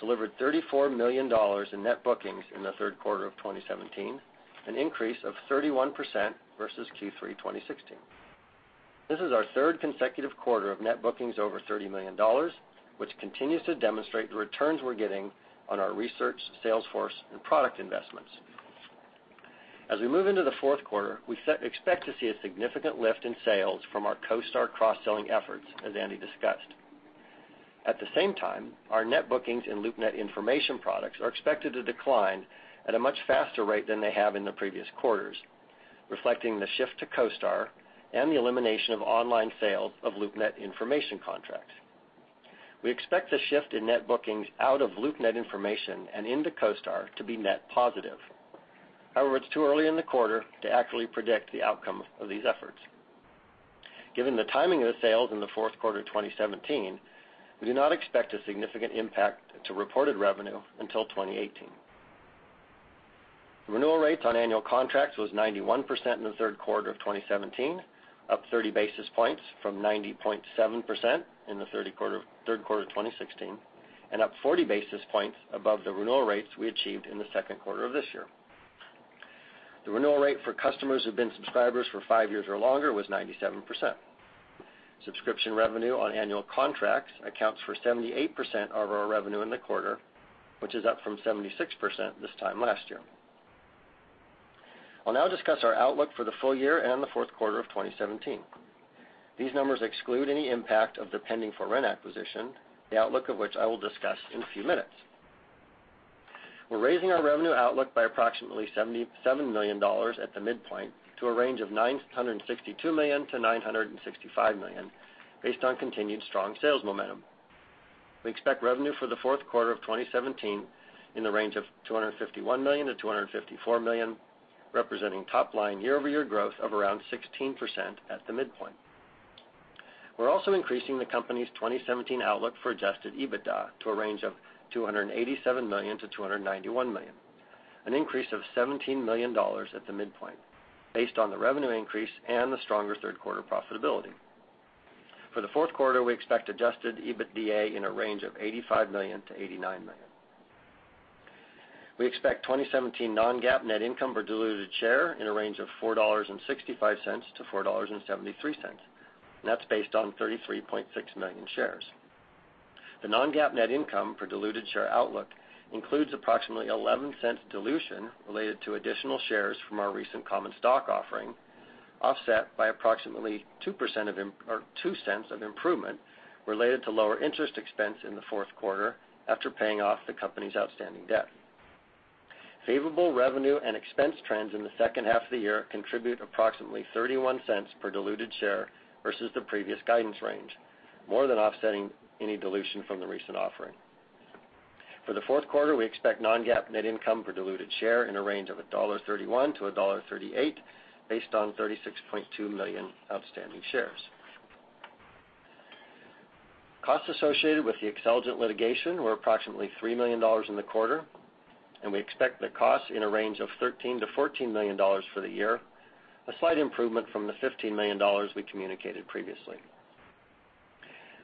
delivered $34 million in net bookings in the third quarter of 2017, an increase of 31% versus Q3 2016. This is our third consecutive quarter of net bookings over $30 million, which continues to demonstrate the returns we're getting on our research, sales force, and product investments. As we move into the fourth quarter, we expect to see a significant lift in sales from our CoStar cross-selling efforts, as Andy Florance discussed. At the same time, our net bookings in LoopNet information products are expected to decline at a much faster rate than they have in the previous quarters, reflecting the shift to CoStar and the elimination of online sales of LoopNet information contracts. We expect the shift in net bookings out of LoopNet information and into CoStar to be net positive. It's too early in the quarter to accurately predict the outcome of these efforts. Given the timing of the sales in the fourth quarter 2017, we do not expect a significant impact to reported revenue until 2018. Renewal rates on annual contracts was 91% in the third quarter of 2017, up 30 basis points from 90.7% in the third quarter of 2016, and up 40 basis points above the renewal rates we achieved in the second quarter of this year. The renewal rate for customers who've been subscribers for five years or longer was 97%. Subscription revenue on annual contracts accounts for 78% of our revenue in the quarter, which is up from 76% this time last year. I'll now discuss our outlook for the full year and the fourth quarter of 2017. These numbers exclude any impact of the pending ForRent acquisition, the outlook of which I will discuss in a few minutes. We're raising our revenue outlook by approximately $77 million at the midpoint to a range of $962 million-$965 million, based on continued strong sales momentum. We expect revenue for the fourth quarter of 2017 in the range of $251 million-$254 million, representing top-line year-over-year growth of around 16% at the midpoint. We're also increasing the company's 2017 outlook for adjusted EBITDA to a range of $287 million-$291 million, an increase of $17 million at the midpoint, based on the revenue increase and the stronger third quarter profitability. For the fourth quarter, we expect adjusted EBITDA in a range of $85 million-$89 million. We expect 2017 non-GAAP net income per diluted share in a range of $4.65-$4.73. That's based on 33.6 million shares. The non-GAAP net income per diluted share outlook includes approximately $0.11 dilution related to additional shares from our recent common stock offering, offset by approximately $0.02 of improvement related to lower interest expense in the fourth quarter after paying off the company's outstanding debt. Favorable revenue and expense trends in the second half of the year contribute approximately $0.31 per diluted share versus the previous guidance range, more than offsetting any dilution from the recent offering. For the fourth quarter, we expect non-GAAP net income per diluted share in a range of $1.31-$1.38, based on 36.2 million outstanding shares. Costs associated with the Xceligent litigation were approximately $3 million in the quarter. We expect the cost in a range of $13 million-$14 million for the year, a slight improvement from the $15 million we communicated previously.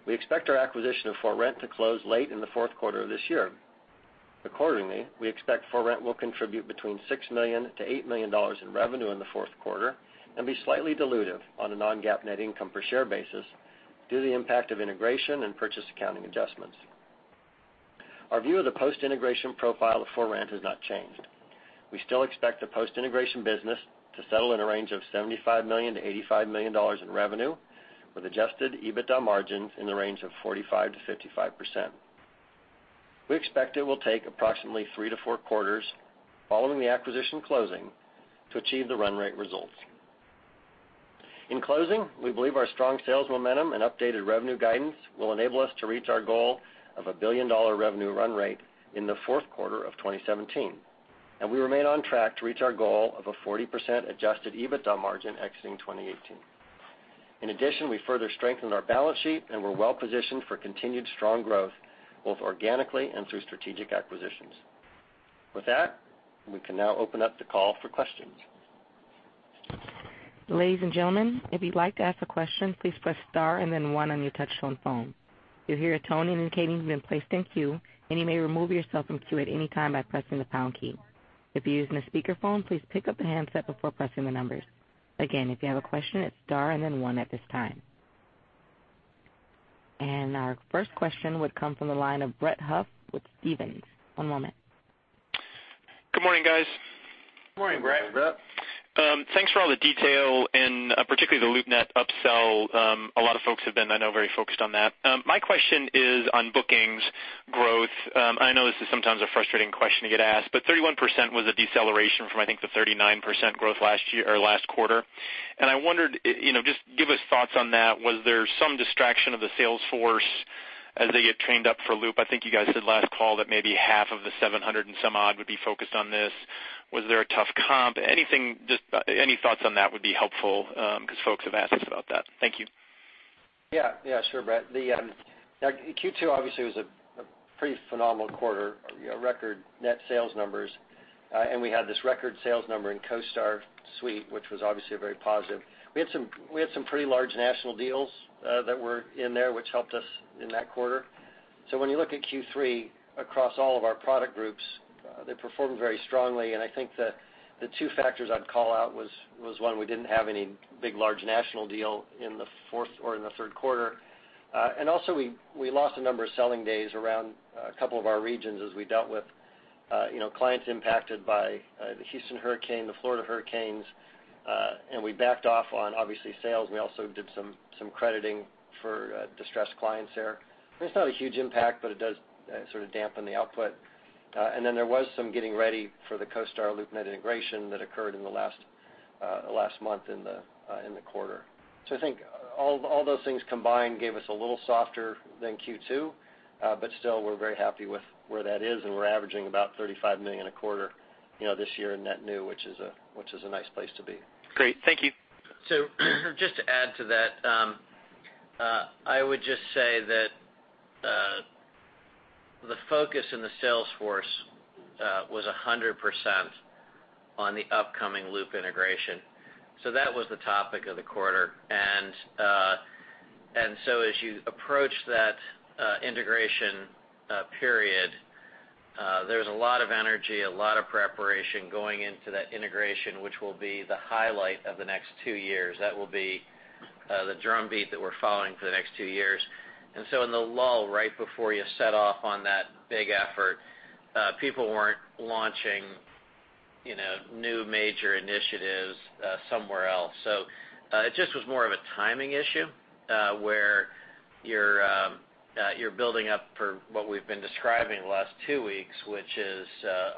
We expect our acquisition of ForRent to close late in the fourth quarter of this year. Accordingly, we expect ForRent will contribute between $6 million-$8 million in revenue in the fourth quarter and be slightly dilutive on a non-GAAP net income per share basis due to the impact of integration and purchase accounting adjustments. Our view of the post-integration profile of ForRent has not changed. We still expect the post-integration business to settle in a range of $75 million-$85 million in revenue, with adjusted EBITDA margins in the range of 45%-55%. We expect it will take approximately 3-4 quarters following the acquisition closing to achieve the run rate results. In closing, we believe our strong sales momentum and updated revenue guidance will enable us to reach our goal of a billion-dollar revenue run rate in the fourth quarter of 2017. We remain on track to reach our goal of a 40% adjusted EBITDA margin exiting 2018. In addition, we further strengthened our balance sheet. We're well-positioned for continued strong growth, both organically and through strategic acquisitions. With that, we can now open up the call for questions. Ladies and gentlemen, if you'd like to ask a question, please press star and then one on your touch-tone phone. You'll hear a tone indicating you've been placed in queue. You may remove yourself from queue at any time by pressing the pound key. If you're using a speakerphone, please pick up the handset before pressing the numbers. Again, if you have a question, it's star and then one at this time. Our first question would come from the line of Brett Huff with Stephens. One moment. Good morning, guys. Good morning, Brett. Good morning, Brett. Thanks for all the detail and particularly the LoopNet upsell. A lot of folks have been, I know, very focused on that. My question is on bookings growth. I know this is sometimes a frustrating question to get asked, but 31% was a deceleration from, I think, the 39% growth last quarter. I wondered, just give us thoughts on that. Was there some distraction of the sales force as they get trained up for Loop? I think you guys said last call that maybe half of the 700 and some odd would be focused on this. Was there a tough comp? Any thoughts on that would be helpful, because folks have asked us about that. Thank you. Sure, Brett. Q2 obviously was a pretty phenomenal quarter. Record net sales numbers. We had this record sales number in CoStar Suite, which was obviously very positive. We had some pretty large national deals that were in there, which helped us in that quarter. When you look at Q3, across all of our product groups, they performed very strongly, and I think the two factors I'd call out was, one, we didn't have any big, large national deal in the fourth or in the third quarter. Also, we lost a number of selling days around a couple of our regions as we dealt with clients impacted by the Houston hurricane, the Florida hurricanes. We backed off on, obviously, sales, and we also did some crediting for distressed clients there. It's not a huge impact, but it does sort of dampen the output. There was some getting ready for the CoStar LoopNet integration that occurred in the last month in the quarter. I think all those things combined gave us a little softer than Q2. Still, we're very happy with where that is, and we're averaging about $35 million a quarter this year in net new, which is a nice place to be. Great. Thank you. Just to add to that. I would just say that the focus in the sales force was 100% on the upcoming Loop integration. That was the topic of the quarter. As you approach that integration period, there's a lot of energy, a lot of preparation going into that integration, which will be the highlight of the next two years. That will be the drumbeat that we're following for the next two years. In the lull, right before you set off on that big effort, people weren't launching new major initiatives somewhere else. It just was more of a timing issue, where you're building up for what we've been describing the last two weeks, which is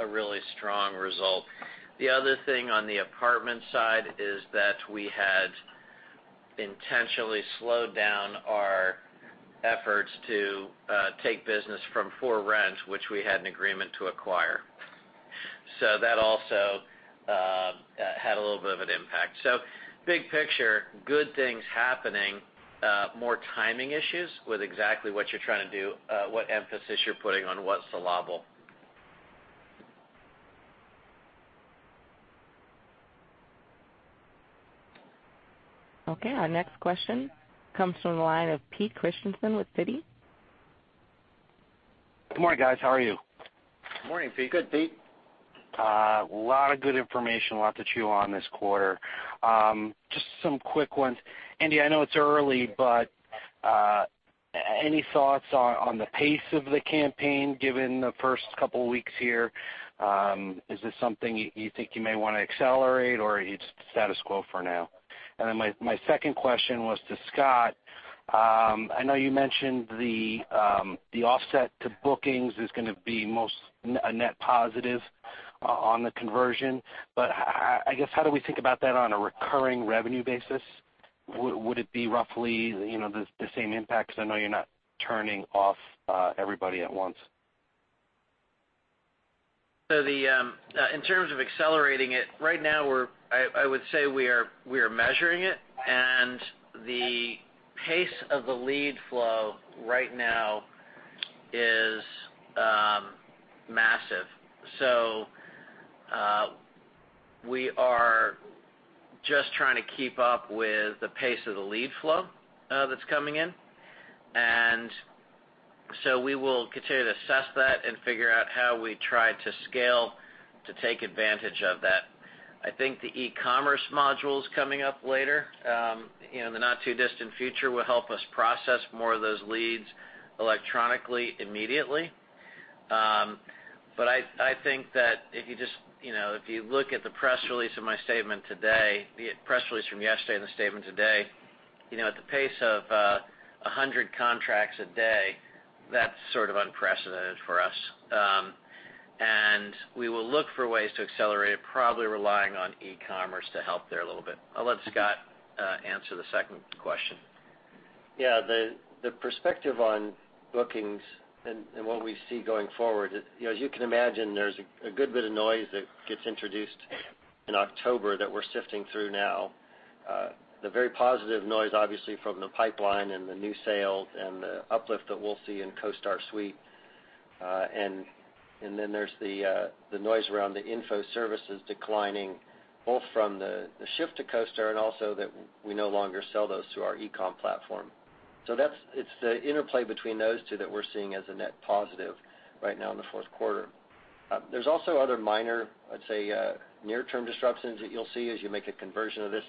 a really strong result. The other thing on the apartment side is that we had intentionally slowed down our efforts to take business from ForRent, which we had an agreement to acquire. That also had a little bit of an impact. Big picture, good things happening, more timing issues with exactly what you're trying to do, what emphasis you're putting on what's salable. Our next question comes from the line of Peter Christiansen with Citi. Good morning, guys. How are you? Good morning, Pete. Good, Pete. A lot of good information, a lot to chew on this quarter. Just some quick ones. Andy, I know it's early, but any thoughts on the pace of the campaign given the first couple of weeks here? Is this something you think you may want to accelerate, or are you just status quo for now? My second question was to Scott. I know you mentioned the offset to bookings is going to be a net positive on the conversion, but I guess how do we think about that on a recurring revenue basis? Would it be roughly the same impact? Because I know you're not turning off everybody at once. In terms of accelerating it, right now I would say we are measuring it, and the pace of the lead flow right now is massive. We are just trying to keep up with the pace of the lead flow that's coming in. We will continue to assess that and figure out how we try to scale to take advantage of that. I think the e-commerce module's coming up later in the not-too-distant future will help us process more of those leads electronically immediately. I think that if you look at the press release from yesterday and the statement today, at the pace of 100 contracts a day, that's sort of unprecedented for us. We will look for ways to accelerate it, probably relying on e-commerce to help there a little bit. I'll let Scott answer the second question. Yeah. The perspective on bookings and what we see going forward, as you can imagine, there's a good bit of noise that gets introduced in October that we're sifting through now. The very positive noise, obviously, from the pipeline and the new sales and the uplift that we'll see in CoStar Suite. There's the noise around the info services declining, both from the shift to CoStar and also that we no longer sell those through our e-com platform. It's the interplay between those two that we're seeing as a net positive right now in the fourth quarter. There's also other minor, I'd say, near-term disruptions that you'll see as you make a conversion of this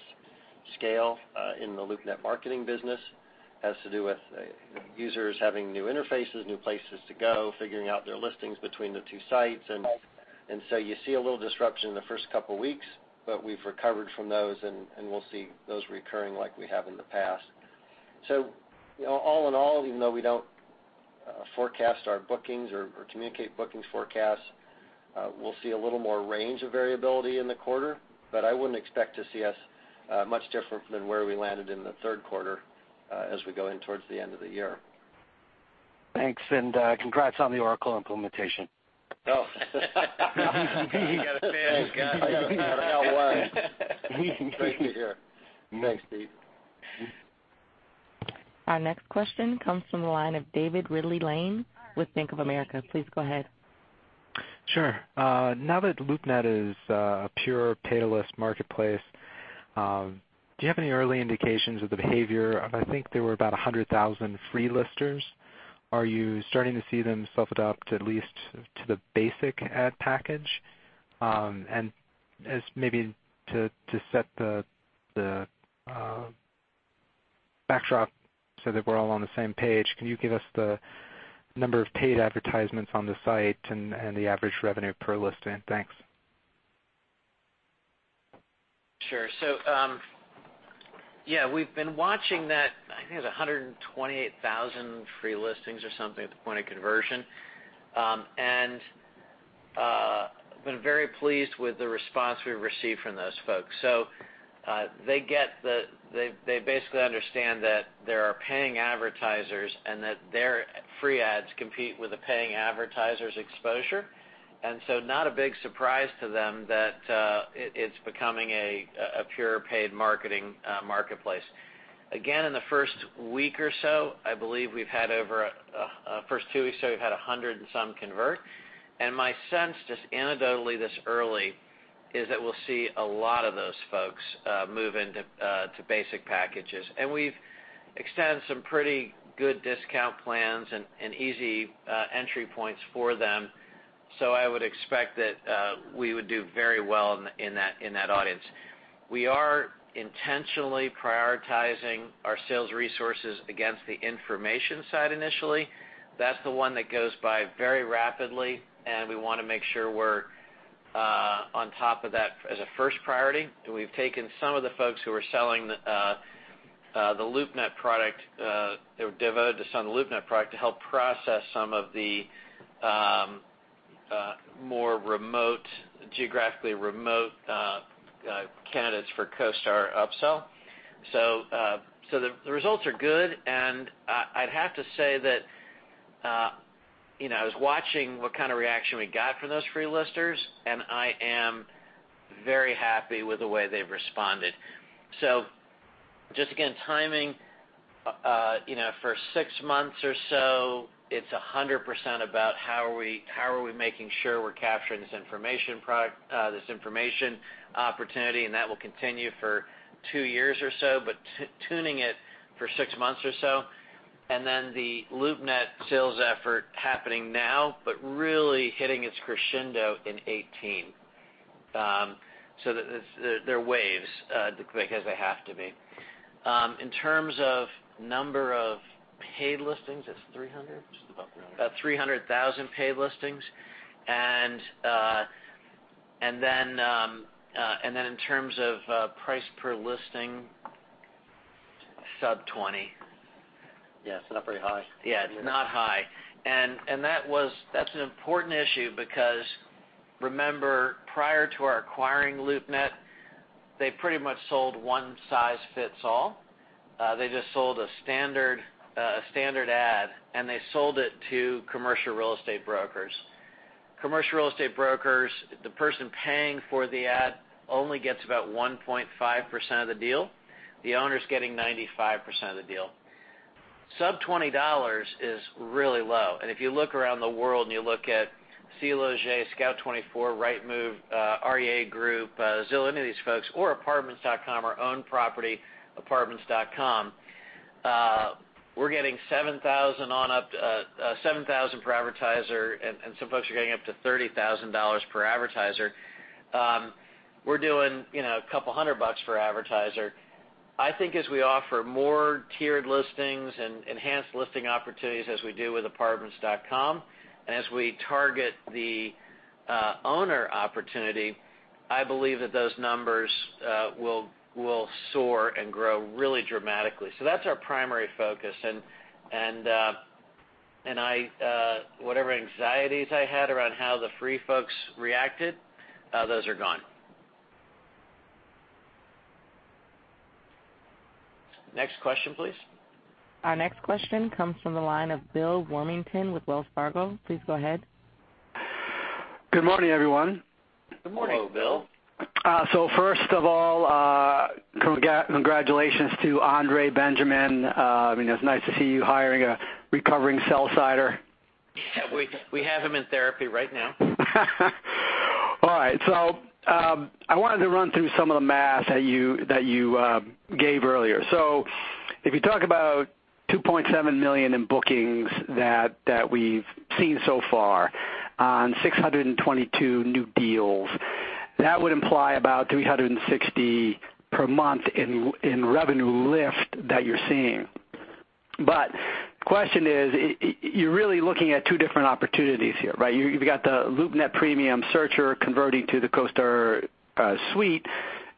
scale in the LoopNet marketing business. It has to do with users having new interfaces, new places to go, figuring out their listings between the two sites. You see a little disruption in the first couple of weeks, but we've recovered from those, and we'll see those recurring like we have in the past. All in all, even though we don't forecast our bookings or communicate bookings forecasts, we'll see a little more range of variability in the quarter. I wouldn't expect to see us much different than where we landed in the third quarter as we go in towards the end of the year. Thanks, congrats on the Oracle implementation. Oh. I got to say. That's great to hear. Thanks, Steve. Our next question comes from the line of David Ridley-Lane with Bank of America. Please go ahead. Sure. Now that LoopNet is a pure pay-to-list marketplace, do you have any early indications of the behavior of, I think there were about 100,000 free listers. Are you starting to see them self-adopt at least to the basic ad package? As maybe to set the backdrop so that we're all on the same page, can you give us the number of paid advertisements on the site and the average revenue per listing? Thanks. Sure. Yeah, we've been watching that, I think it was 128,000 free listings or something at the point of conversion. We've been very pleased with the response we've received from those folks. They basically understand that there are paying advertisers and that their free ads compete with a paying advertiser's exposure, not a big surprise to them that it's becoming a pure paid marketplace. Again, in the first week or so, I believe we've had first two weeks, we've had 100 and some convert. My sense, just anecdotally this early, is that we'll see a lot of those folks move into basic packages. We've extended some pretty good discount plans and easy entry points for them. I would expect that we would do very well in that audience. We are intentionally prioritizing our sales resources against the information side initially. That's the one that goes by very rapidly, and we want to make sure we're on top of that as a first priority. We've taken some of the folks who are selling the LoopNet product. They're devoted to selling the LoopNet product to help process some of the more geographically remote candidates for CoStar upsell. The results are good, and I'd have to say that, I was watching what kind of reaction we got from those free listers, and I am very happy with the way they've responded. Just again, timing, for six months or so, it's 100% about how are we making sure we're capturing this information opportunity, and that will continue for two years or so, but tuning it for six months or so. The LoopNet sales effort happening now, but really hitting its crescendo in 2018. They're waves, because they have to be. In terms of number of paid listings, it's 300? It's about 300. About 300,000 paid listings. In terms of price per listing, sub $20. It's not very high. It's not high. That's an important issue because remember, prior to our acquiring LoopNet, they pretty much sold one size fits all. They just sold a standard ad, and they sold it to commercial real estate brokers. Commercial real estate brokers, the person paying for the ad only gets about 1.5% of the deal. The owner's getting 95% of the deal. Sub $20 is really low. If you look around the world and you look at SeLoger, Scout24, Rightmove, REA Group, Zillow, any of these folks, or apartments.com, our own property, apartments.com. We're getting $7,000 per advertiser and some folks are getting up to $30,000 per advertiser. We're doing $200 per advertiser. I think as we offer more tiered listings and enhanced listing opportunities as we do with apartments.com, as we target the owner opportunity, I believe that those numbers will soar and grow really dramatically. That's our primary focus and whatever anxieties I had around how the free folks reacted, those are gone. Next question, please. Our next question comes from the line of Bill Warmington with Wells Fargo. Please go ahead. Good morning, everyone. Good morning. Hello, Bill. First of all, congratulations to Andre Benjamin. It's nice to see you hiring a recovering sell-sider. Yeah, we have him in therapy right now. All right. I wanted to run through some of the math that you gave earlier. If you talk about $2.7 million in bookings that we've seen so far on 622 new deals, that would imply about 360 per month in revenue lift that you're seeing. The question is, you're really looking at two different opportunities here, right? You've got the LoopNet Premium Searcher converting to the CoStar Suite,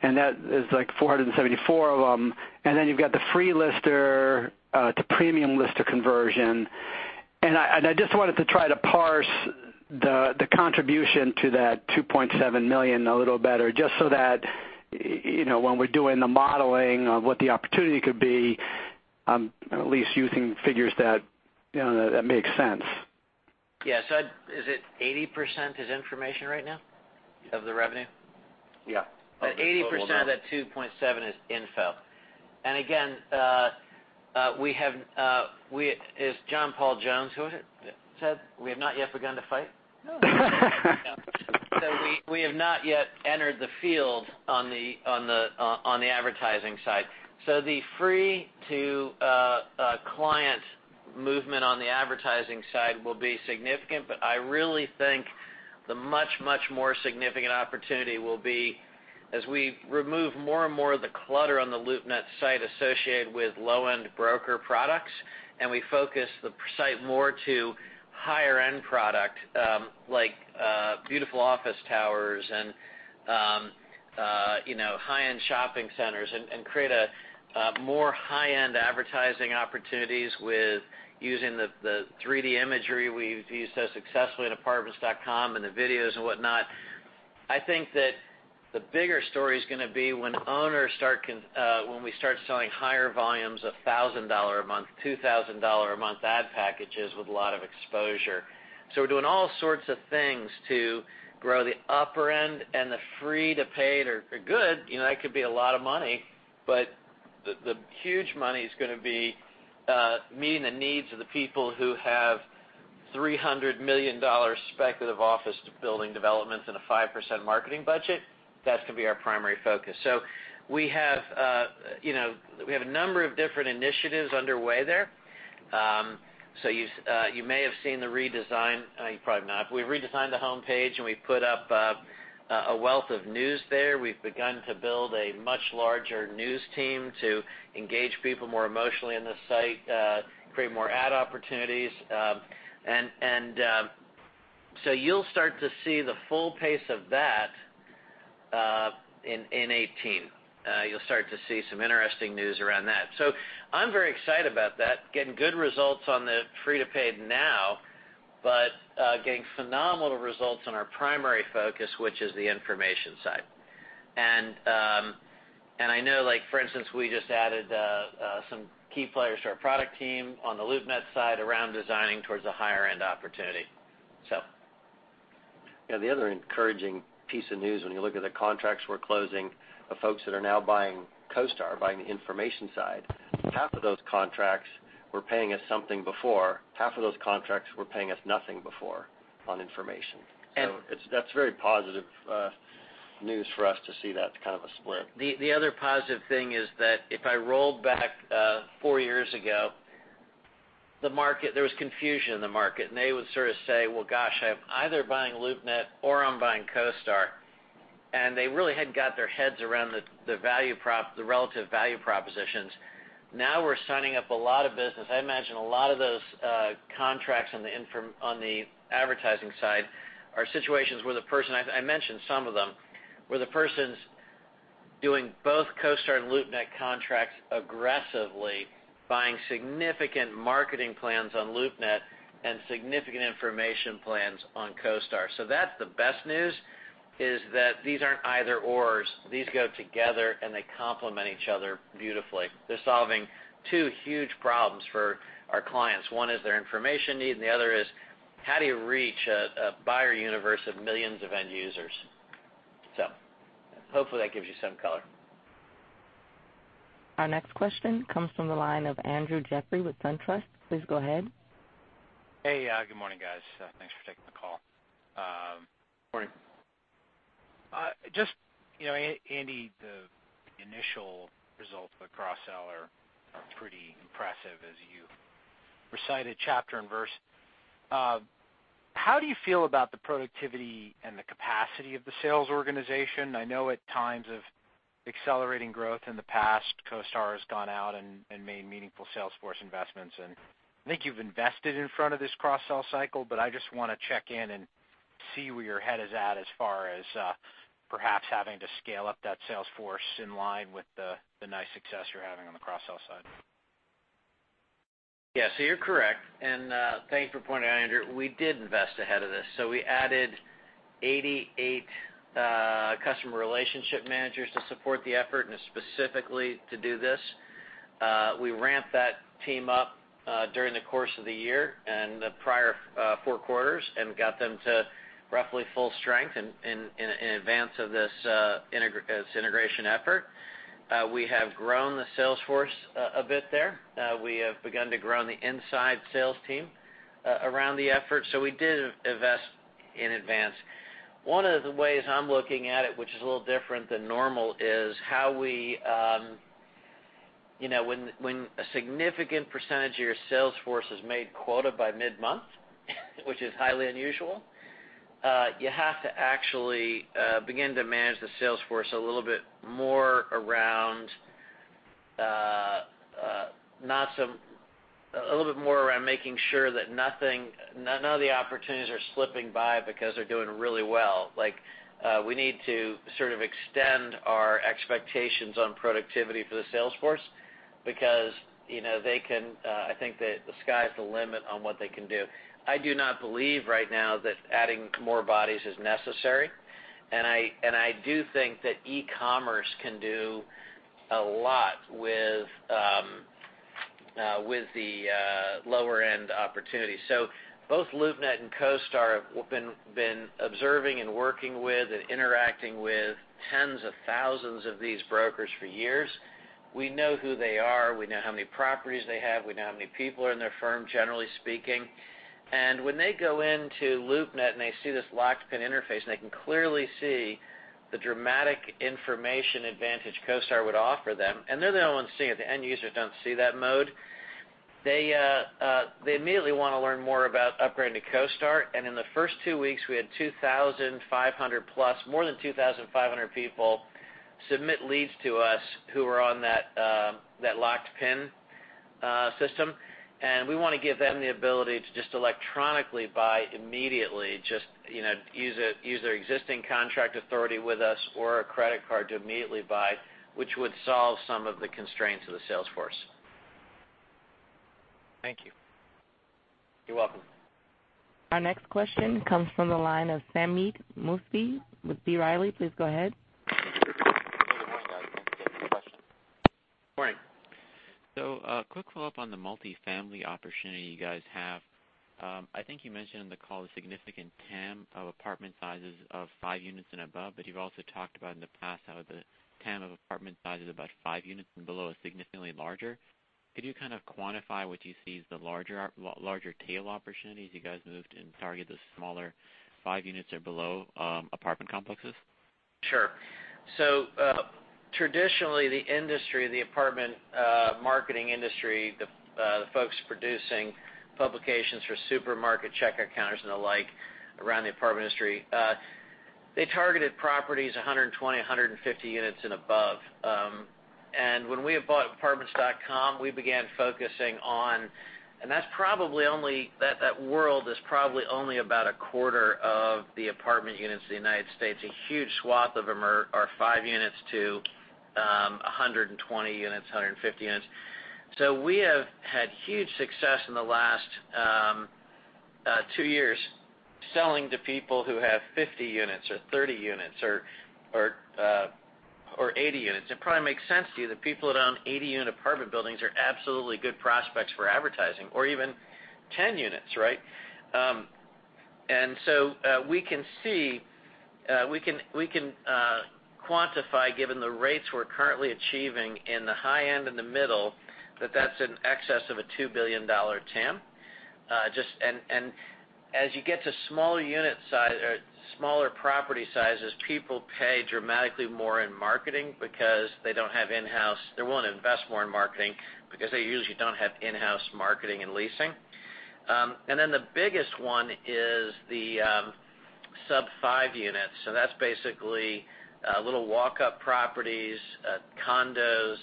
and that is like 474 of them. Then you've got the free lister to Premium Lister conversion. I just wanted to try to parse the contribution to that $2.7 million a little better, just so that when we're doing the modeling of what the opportunity could be, I'm at least using figures that make sense. Yeah. Is it 80% is information right now of the revenue? Yeah. 80% of that $2.7 is info. Again, it's John Paul Jones, who said, "We have not yet begun to fight." We have not yet entered the field on the advertising side. The free-to-client movement on the advertising side will be significant, but I really think the much, much more significant opportunity will be as we remove more and more of the clutter on the LoopNet site associated with low-end broker products, and we focus the site more to higher-end product, like beautiful office towers and high-end shopping centers, and create more high-end advertising opportunities with using the 3D imagery we've used so successfully in Apartments.com and the videos and whatnot. I think that the bigger story's going to be when we start selling higher volumes of $1,000 a month, $2,000 a month ad packages with a lot of exposure. We're doing all sorts of things to grow the upper end, and the free to paid are good. That could be a lot of money, but the huge money's going to be meeting the needs of the people who have $300 million speculative office building developments and a 5% marketing budget. That's going to be our primary focus. We have a number of different initiatives underway there. You may have seen the redesign. You've probably not. We redesigned the homepage, and we've put up a wealth of news there. We've begun to build a much larger news team to engage people more emotionally in the site, create more ad opportunities. You'll start to see the full pace of that in 2018. You'll start to see some interesting news around that. I'm very excited about that, getting good results on the free to paid now, but getting phenomenal results on our primary focus, which is the information side. I know, for instance, we just added some key players to our product team on the LoopNet side around designing towards a higher-end opportunity. The other encouraging piece of news when you look at the contracts we're closing of folks that are now buying CoStar, buying the information side. Half of those contracts were paying us something before. Half of those contracts were paying us nothing before on information. That's very positive news for us to see that kind of a split. The other positive thing is that if I rolled back four years ago, there was confusion in the market, and they would sort of say, "Well, gosh, I'm either buying LoopNet or I'm buying CoStar." They really hadn't got their heads around the relative value propositions. Now we're signing up a lot of business. I imagine a lot of those contracts on the advertising side are situations where the person, I mentioned some of them, where the person's doing both CoStar and LoopNet contracts aggressively, buying significant marketing plans on LoopNet and significant information plans on CoStar. That's the best news, is that these aren't either/ors. These go together, and they complement each other beautifully. They're solving two huge problems for our clients. One is their information need, and the other is how do you reach a buyer universe of millions of end users. Hopefully that gives you some color. Our next question comes from the line of Andrew Jeffrey with SunTrust. Please go ahead. Hey, good morning, guys. Thanks for taking the call. Morning. Just, Andy, the initial results of the cross-sell are pretty impressive as you recited chapter and verse. How do you feel about the productivity and the capacity of the sales organization? I know at times of accelerating growth in the past, CoStar has gone out and made meaningful sales force investments, and I think you've invested in front of this cross-sell cycle, but I just want to check in and see where your head is at as far as perhaps having to scale up that sales force in line with the nice success you're having on the cross-sell side. Yes, you're correct, and thanks for pointing it out, Andrew. We did invest ahead of this. We added 88 customer relationship managers to support the effort and specifically to do this. We ramped that team up during the course of the year and the prior four quarters and got them to roughly full strength in advance of this integration effort. We have grown the sales force a bit there. We have begun to grow on the inside sales team around the effort. We did invest in advance. One of the ways I'm looking at it, which is a little different than normal, is when a significant percentage of your sales force has made quota by mid-month, which is highly unusual, you have to actually begin to manage the sales force a little bit more around making sure that none of the opportunities are slipping by because they're doing really well. We need to sort of extend our expectations on productivity for the sales force, because I think that the sky's the limit on what they can do. I do not believe right now that adding more bodies is necessary, and I do think that e-commerce can do a lot with the lower-end opportunities. Both LoopNet and CoStar have been observing and working with and interacting with tens of thousands of these brokers for years. We know who they are, we know how many properties they have, we know how many people are in their firm, generally speaking. When they go into LoopNet and they see this locked pin interface, and they can clearly see the dramatic information advantage CoStar would offer them, and they're the only ones seeing it, the end users don't see that mode, they immediately want to learn more about upgrading to CoStar. In the first two weeks, we had 2,500 plus, more than 2,500 people submit leads to us who are on that locked pin system. We want to give them the ability to just electronically buy immediately, just use their existing contract authority with us or a credit card to immediately buy, which would solve some of the constraints of the sales force. Thank you. You're welcome. Our next question comes from the line of Sameet Mufti with B. Riley. Please go ahead. Thank you. Good morning, guys. Thanks again for the questions. Morning. Quick follow-up on the multi-family opportunity you guys have. I think you mentioned on the call a significant TAM of apartment sizes of 5 units and above, but you've also talked about in the past how the TAM of apartment sizes above 5 units and below is significantly larger. Could you kind of quantify what you see as the larger tail opportunities you guys moved to target the smaller 5 units or below apartment complexes? Sure. Traditionally, the industry, the apartment marketing industry, the folks producing publications for supermarket checkout counters and the like around the apartment industry, they targeted properties 120, 150 units and above. When we bought apartments.com, we began focusing on. That world is probably only about a quarter of the apartment units in the U.S. A huge swath of them are five units to 120 units, 150 units. We have had huge success in the last two years selling to people who have 50 units or 30 units or 80 units. It probably makes sense to you that people that own 80-unit apartment buildings are absolutely good prospects for advertising, or even 10 units, right? We can quantify, given the rates we're currently achieving in the high end and the middle, that that's in excess of a $2 billion TAM. As you get to smaller property sizes, people pay dramatically more in marketing because they don't have in-house. They're willing to invest more in marketing because they usually don't have in-house marketing and leasing. The biggest one is the sub five units. That's basically little walk-up properties, condos,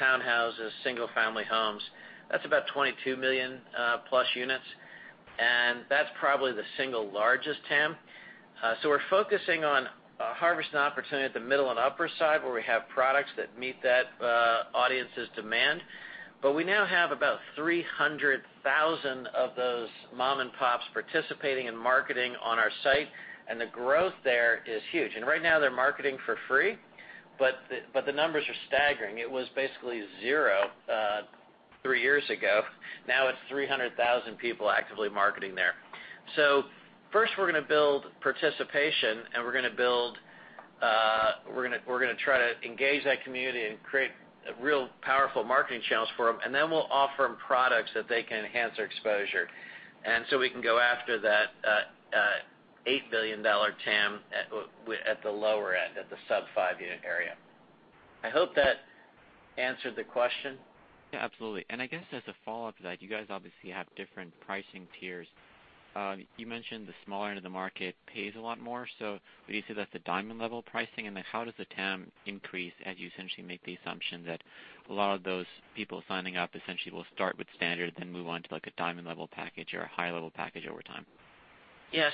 townhouses, single-family homes. That's about 22 million plus units, and that's probably the single largest TAM. We're focusing on harvesting opportunity at the middle and upper side where we have products that meet that audience's demand. We now have about 300,000 of those mom and pops participating in marketing on our site, and the growth there is huge. Right now they're marketing for free, but the numbers are staggering. It was basically zero three years ago. Now it's 300,000 people actively marketing there. First we're going to build participation, and we're going to try to engage that community and create real powerful marketing channels for them, and then we'll offer them products that they can enhance their exposure. We can go after that $8 billion TAM at the lower end, at the sub five unit area. I hope that answered the question. Yeah, absolutely. I guess as a follow-up to that, you guys obviously have different pricing tiers. You mentioned the smaller end of the market pays a lot more. Would you say that's the Diamond level pricing? How does the TAM increase as you essentially make the assumption that a lot of those people signing up essentially will start with standard then move on to like a Diamond level package or a high level package over time? Yeah.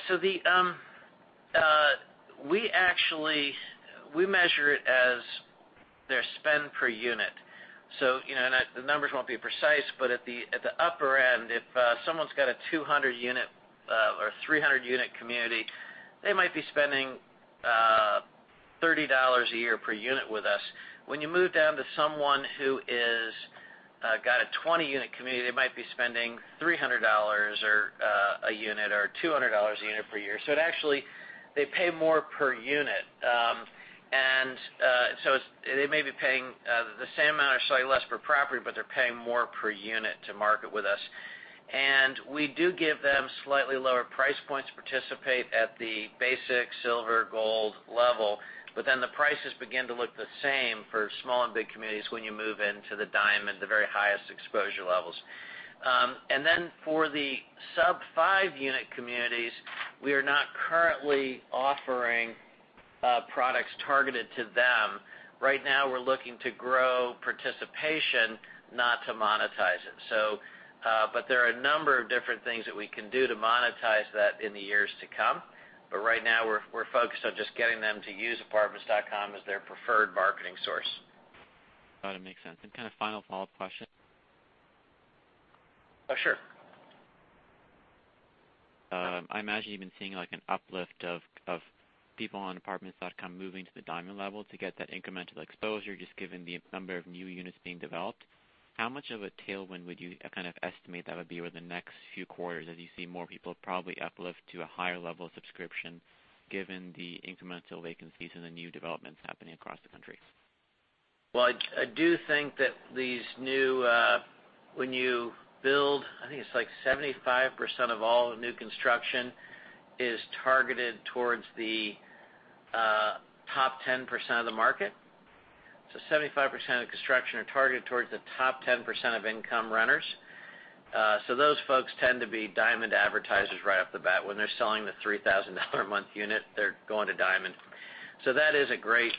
We measure it as their spend per unit. The numbers won't be precise, but at the upper end, if someone's got a 200-unit or 300-unit community, they might be spending $30 a year per unit with us. When you move down to someone who got a 20-unit community, they might be spending $300 a unit or $200 a unit per year. Actually, they pay more per unit. They may be paying the same amount or slightly less per property, but they're paying more per unit to market with us. We do give them slightly lower price points to participate at the basic silver/gold level. The prices begin to look the same for small and big communities when you move into the Diamond, the very highest exposure levels. For the sub-5 unit communities, we are not currently offering products targeted to them. Right now, we're looking to grow participation, not to monetize it. There are a number of different things that we can do to monetize that in the years to come. Right now, we're focused on just getting them to use Apartments.com as their preferred marketing source. Got it. Makes sense. Kind of final follow-up question. Oh, sure. I imagine you've been seeing an uplift of people on Apartments.com moving to the Diamond level to get that incremental exposure, just given the number of new units being developed. How much of a tailwind would you estimate that would be over the next few quarters as you see more people probably uplift to a higher level of subscription, given the incremental vacancies and the new developments happening across the country? Well, I do think that when you build, I think it's like 75% of all new construction is targeted towards the top 10% of the market. 75% of the construction are targeted towards the top 10% of income renters. Those folks tend to be Diamond advertisers right off the bat. When they're selling the $3,000 a month unit, they're going to Diamond. That is a great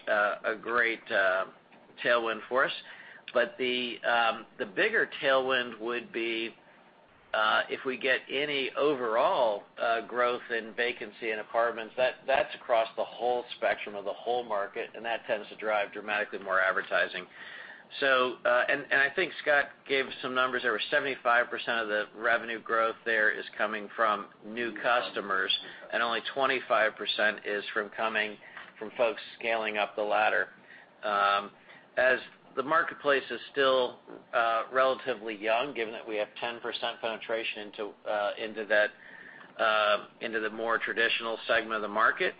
tailwind for us. The bigger tailwind would be if we get any overall growth in vacancy in apartments. That's across the whole spectrum of the whole market, and that tends to drive dramatically more advertising. I think Scott gave some numbers. Over 75% of the revenue growth there is coming from new customers, and only 25% is from coming from folks scaling up the ladder. As the marketplace is still relatively young, given that we have 10% penetration into the more traditional segment of the market,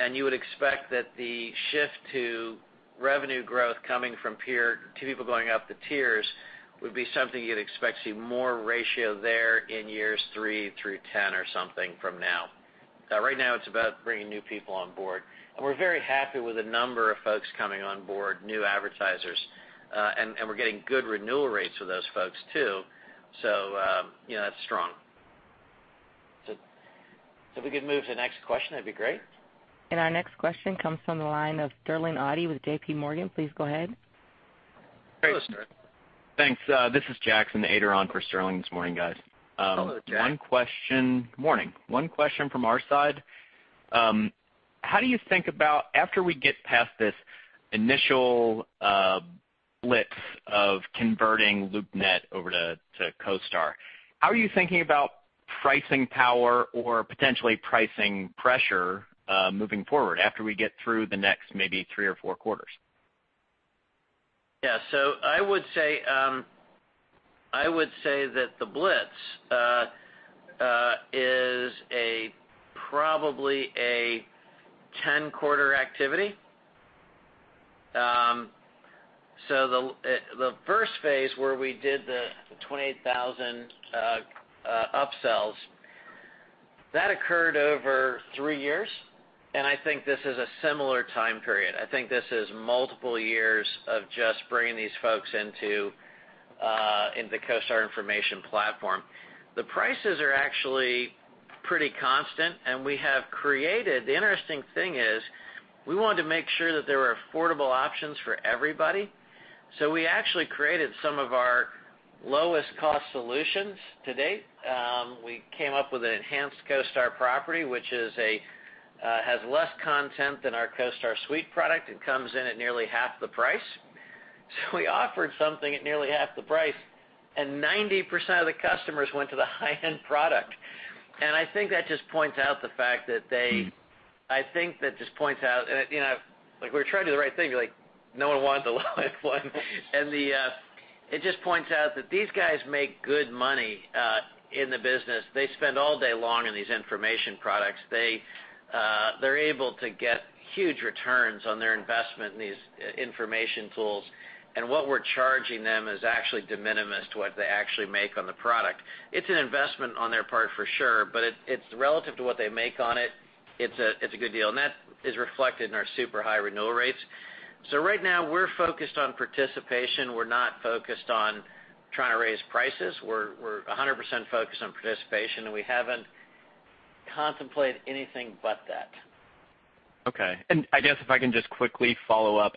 and you would expect that the shift to revenue growth coming from people going up the tiers would be something you'd expect to see more ratio there in years 3 through 10 or something from now. Right now, it's about bringing new people on board. We're very happy with the number of folks coming on board, new advertisers, and we're getting good renewal rates with those folks too. That's strong. If we could move to the next question, that'd be great. Our next question comes from the line of Sterling Auty with JPMorgan. Please go ahead. Hello, Sterling. Thanks. This is Jackson Ader on for Sterling this morning, guys. Hello, Jack. Good morning. One question from our side. How do you think about after we get past this initial blitz of converting LoopNet over to CoStar? How are you thinking about pricing power or potentially pricing pressure, moving forward after we get through the next maybe three or four quarters? I would say that the blitz is probably a 10-quarter activity. The first phase where we did the 28,000 upsells, that occurred over three years, I think this is a similar time period. I think this is multiple years of just bringing these folks into the CoStar information platform. The prices are actually pretty constant. The interesting thing is, we wanted to make sure that there were affordable options for everybody. We actually created some of our lowest-cost solutions to date. We came up with an enhanced CoStar property, which has less content than our CoStar Suite product and comes in at nearly half the price. We offered something at nearly half the price, and 90% of the customers went to the high-end product. I think that just points out the fact that they, like, we were trying to do the right thing, but no one wanted the lowest one. It just points out that these guys make good money in the business. They spend all day long in these information products. They're able to get huge returns on their investment in these information tools, and what we're charging them is actually de minimis to what they actually make on the product. It's an investment on their part for sure, but it's relative to what they make on it. It's a good deal. That is reflected in our super high renewal rates. Right now, we're focused on participation. We're not focused on trying to raise prices. We're 100% focused on participation, and we haven't contemplated anything but that. I guess if I can just quickly follow up.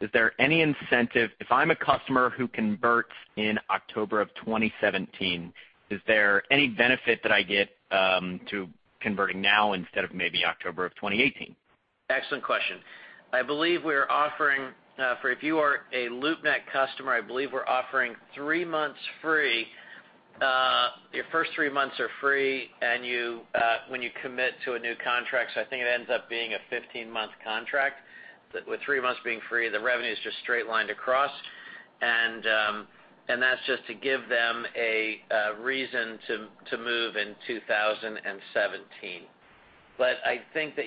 Is there any incentive, if I'm a customer who converts in October of 2017, is there any benefit that I get to converting now instead of maybe October of 2018? Excellent question. I believe we're offering, for if you are a LoopNet customer, I believe we're offering three months free. Your first three months are free, and when you commit to a new contract, I think it ends up being a 15-month contract, with three months being free. The revenue's just straight lined across, and that's just to give them a reason to move in 2017. I think that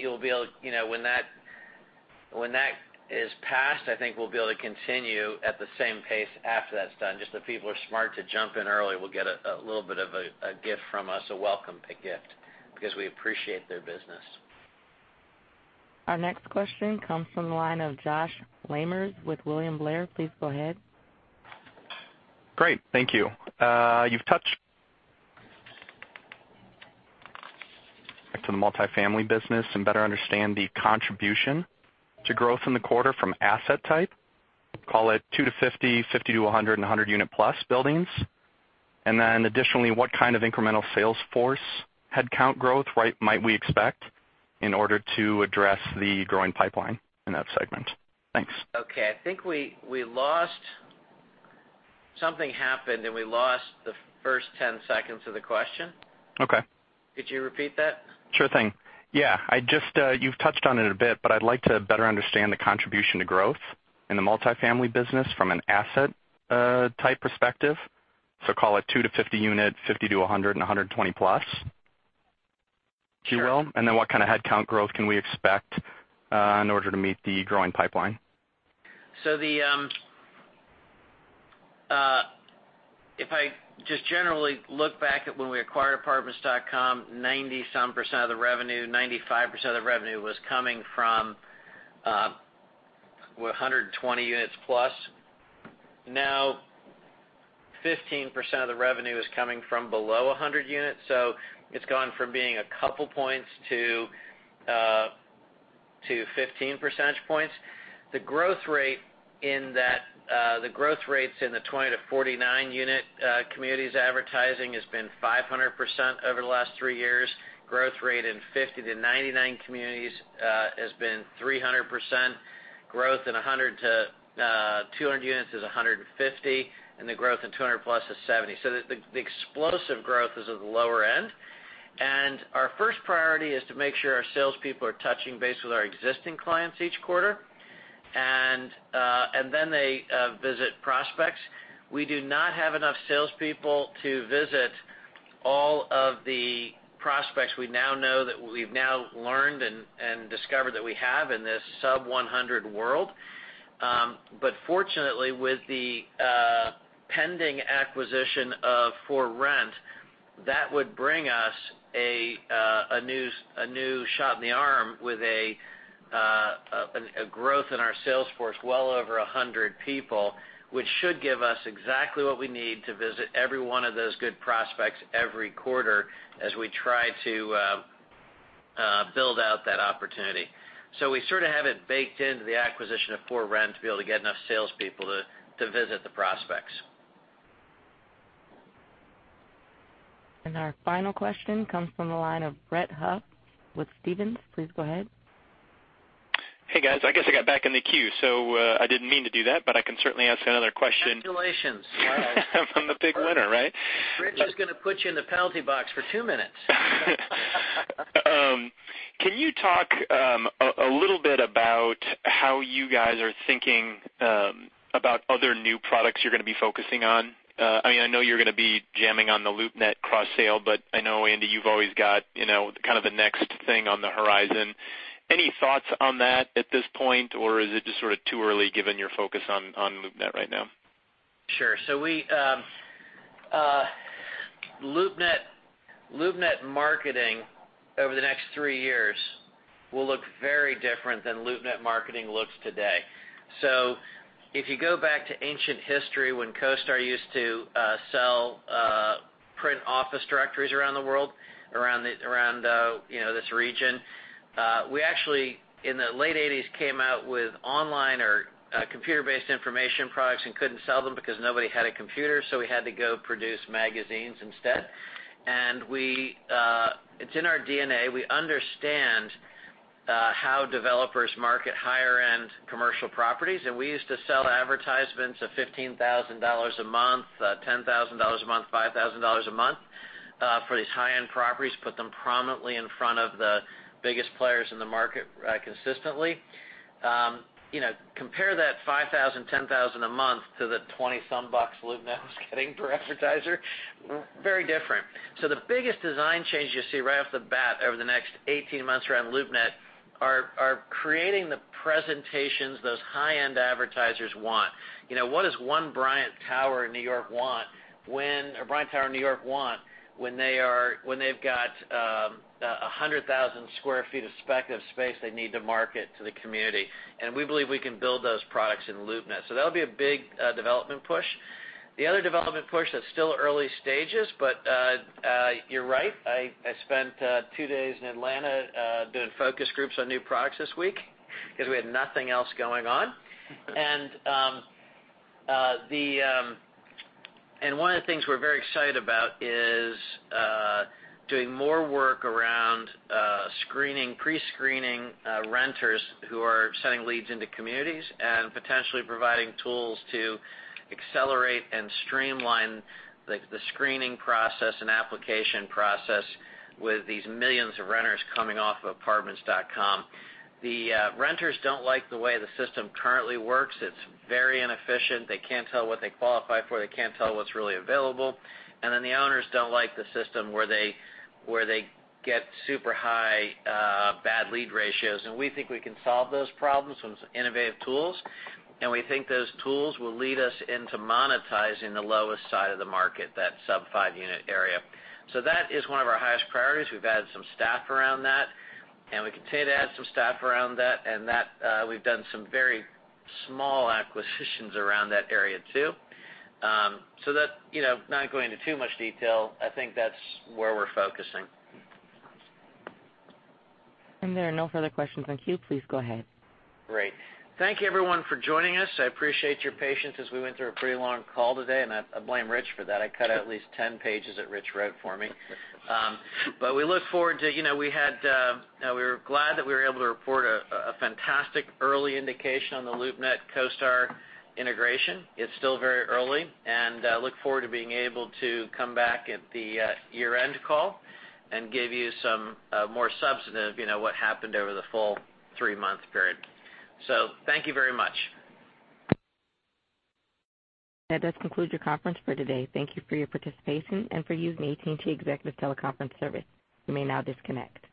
when that is passed, I think we'll be able to continue at the same pace after that's done. Just that people are smart to jump in early, will get a little bit of a gift from us, a welcome gift, because we appreciate their business. Our next question comes from the line of Josh Lamers with William Blair. Please go ahead. Great. Thank you. You've touched To the multifamily business and better understand the contribution to growth in the quarter from asset type, call it 2-50, 50-100, and 100-unit plus buildings. Additionally, what kind of incremental sales force headcount growth might we expect in order to address the growing pipeline in that segment? Thanks. Okay. I think something happened, we lost the first 10 seconds of the question. Okay. Could you repeat that? Sure thing. You have touched on it a bit, but I would like to better understand the contribution to growth in the multifamily business from an asset type perspective. Call it 2 to 50 unit, 50 to 100, and 120 plus, if you will. Sure. What kind of headcount growth can we expect in order to meet the growing pipeline? If I just generally look back at when we acquired Apartments.com, 90 some % of the revenue, 95% of the revenue was coming from 120 units plus. Now 15% of the revenue is coming from below 100 units. It has gone from being a couple points to 15 percentage points. The growth rates in the 20 to 49 unit communities advertising has been 500% over the last three years. Growth rate in 50 to 99 communities has been 300%. Growth in 100 to 200 units is 150%, and the growth in 200 plus is 70%. The explosive growth is at the lower end, and our first priority is to make sure our salespeople are touching base with our existing clients each quarter. They visit prospects. We do not have enough salespeople to visit all of the prospects we now know that we have now learned and discovered that we have in this sub 100 world. Fortunately, with the pending acquisition of ForRent, that would bring us a new shot in the arm with a growth in our sales force well over 100 people, which should give us exactly what we need to visit every one of those good prospects every quarter as we try to build out that opportunity. We sort of have it baked into the acquisition of ForRent to be able to get enough salespeople to visit the prospects. Our final question comes from the line of Brett Huff with Stephens. Please go ahead. Hey, guys. I guess I got back in the queue. I didn't mean to do that, but I can certainly ask another question. Congratulations. I'm the big winner, right? Rich is going to put you in the penalty box for two minutes. Can you talk a little bit about how you guys are thinking about other new products you're going to be focusing on? I know you're going to be jamming on the LoopNet cross-sale. I know, Andy, you've always got kind of the next thing on the horizon. Any thoughts on that at this point, or is it just sort of too early given your focus on LoopNet right now? Sure. LoopNet marketing over the next three years will look very different than LoopNet marketing looks today. If you go back to ancient history when CoStar used to sell print office directories around the world, around this region, we actually, in the late 1980s, came out with online or computer-based information products and couldn't sell them because nobody had a computer, so we had to go produce magazines instead. It's in our DNA. We understand how developers market higher-end commercial properties. We used to sell advertisements of $15,000 a month, $10,000 a month, $5,000 a month for these high-end properties, put them prominently in front of the biggest players in the market consistently. Compare that $5,000, $10,000 a month to the $20 some bucks LoopNet was getting per advertiser, very different. The biggest design change you'll see right off the bat over the next 18 months around LoopNet are creating the presentations those high-end advertisers want. What does One Bryant Park in New York want when they've got 100,000 sq ft of speculative space they need to market to the community? We believe we can build those products in LoopNet. That'll be a big development push. The other development push that's still early stages, but you're right, I spent two days in Atlanta doing focus groups on new products this week because we had nothing else going on. One of the things we're very excited about is doing more work around pre-screening renters who are sending leads into communities and potentially providing tools to accelerate and streamline the screening process and application process with these millions of renters coming off of apartments.com. The renters don't like the way the system currently works. It's very inefficient. They can't tell what they qualify for. They can't tell what's really available. The owners don't like the system where they get super high bad lead ratios. We think we can solve those problems with innovative tools. We think those tools will lead us into monetizing the lowest side of the market, that sub 5 unit area. That is one of our highest priorities. We've added some staff around that, and we continue to add some staff around that, and we've done some very small acquisitions around that area, too. Not going into too much detail, I think that's where we're focusing. There are no further questions on queue. Please go ahead. Great. Thank you everyone for joining us. I appreciate your patience as we went through a pretty long call today, and I blame Rich for that. I cut out at least 10 pages that Rich wrote for me. We were glad that we were able to report a fantastic early indication on the LoopNet CoStar integration. It's still very early, and look forward to being able to come back at the year-end call and give you some more substantive, what happened over the full three-month period. Thank you very much. That does conclude your conference for today. Thank you for your participation and for using AT&T Executive Teleconference Service. You may now disconnect.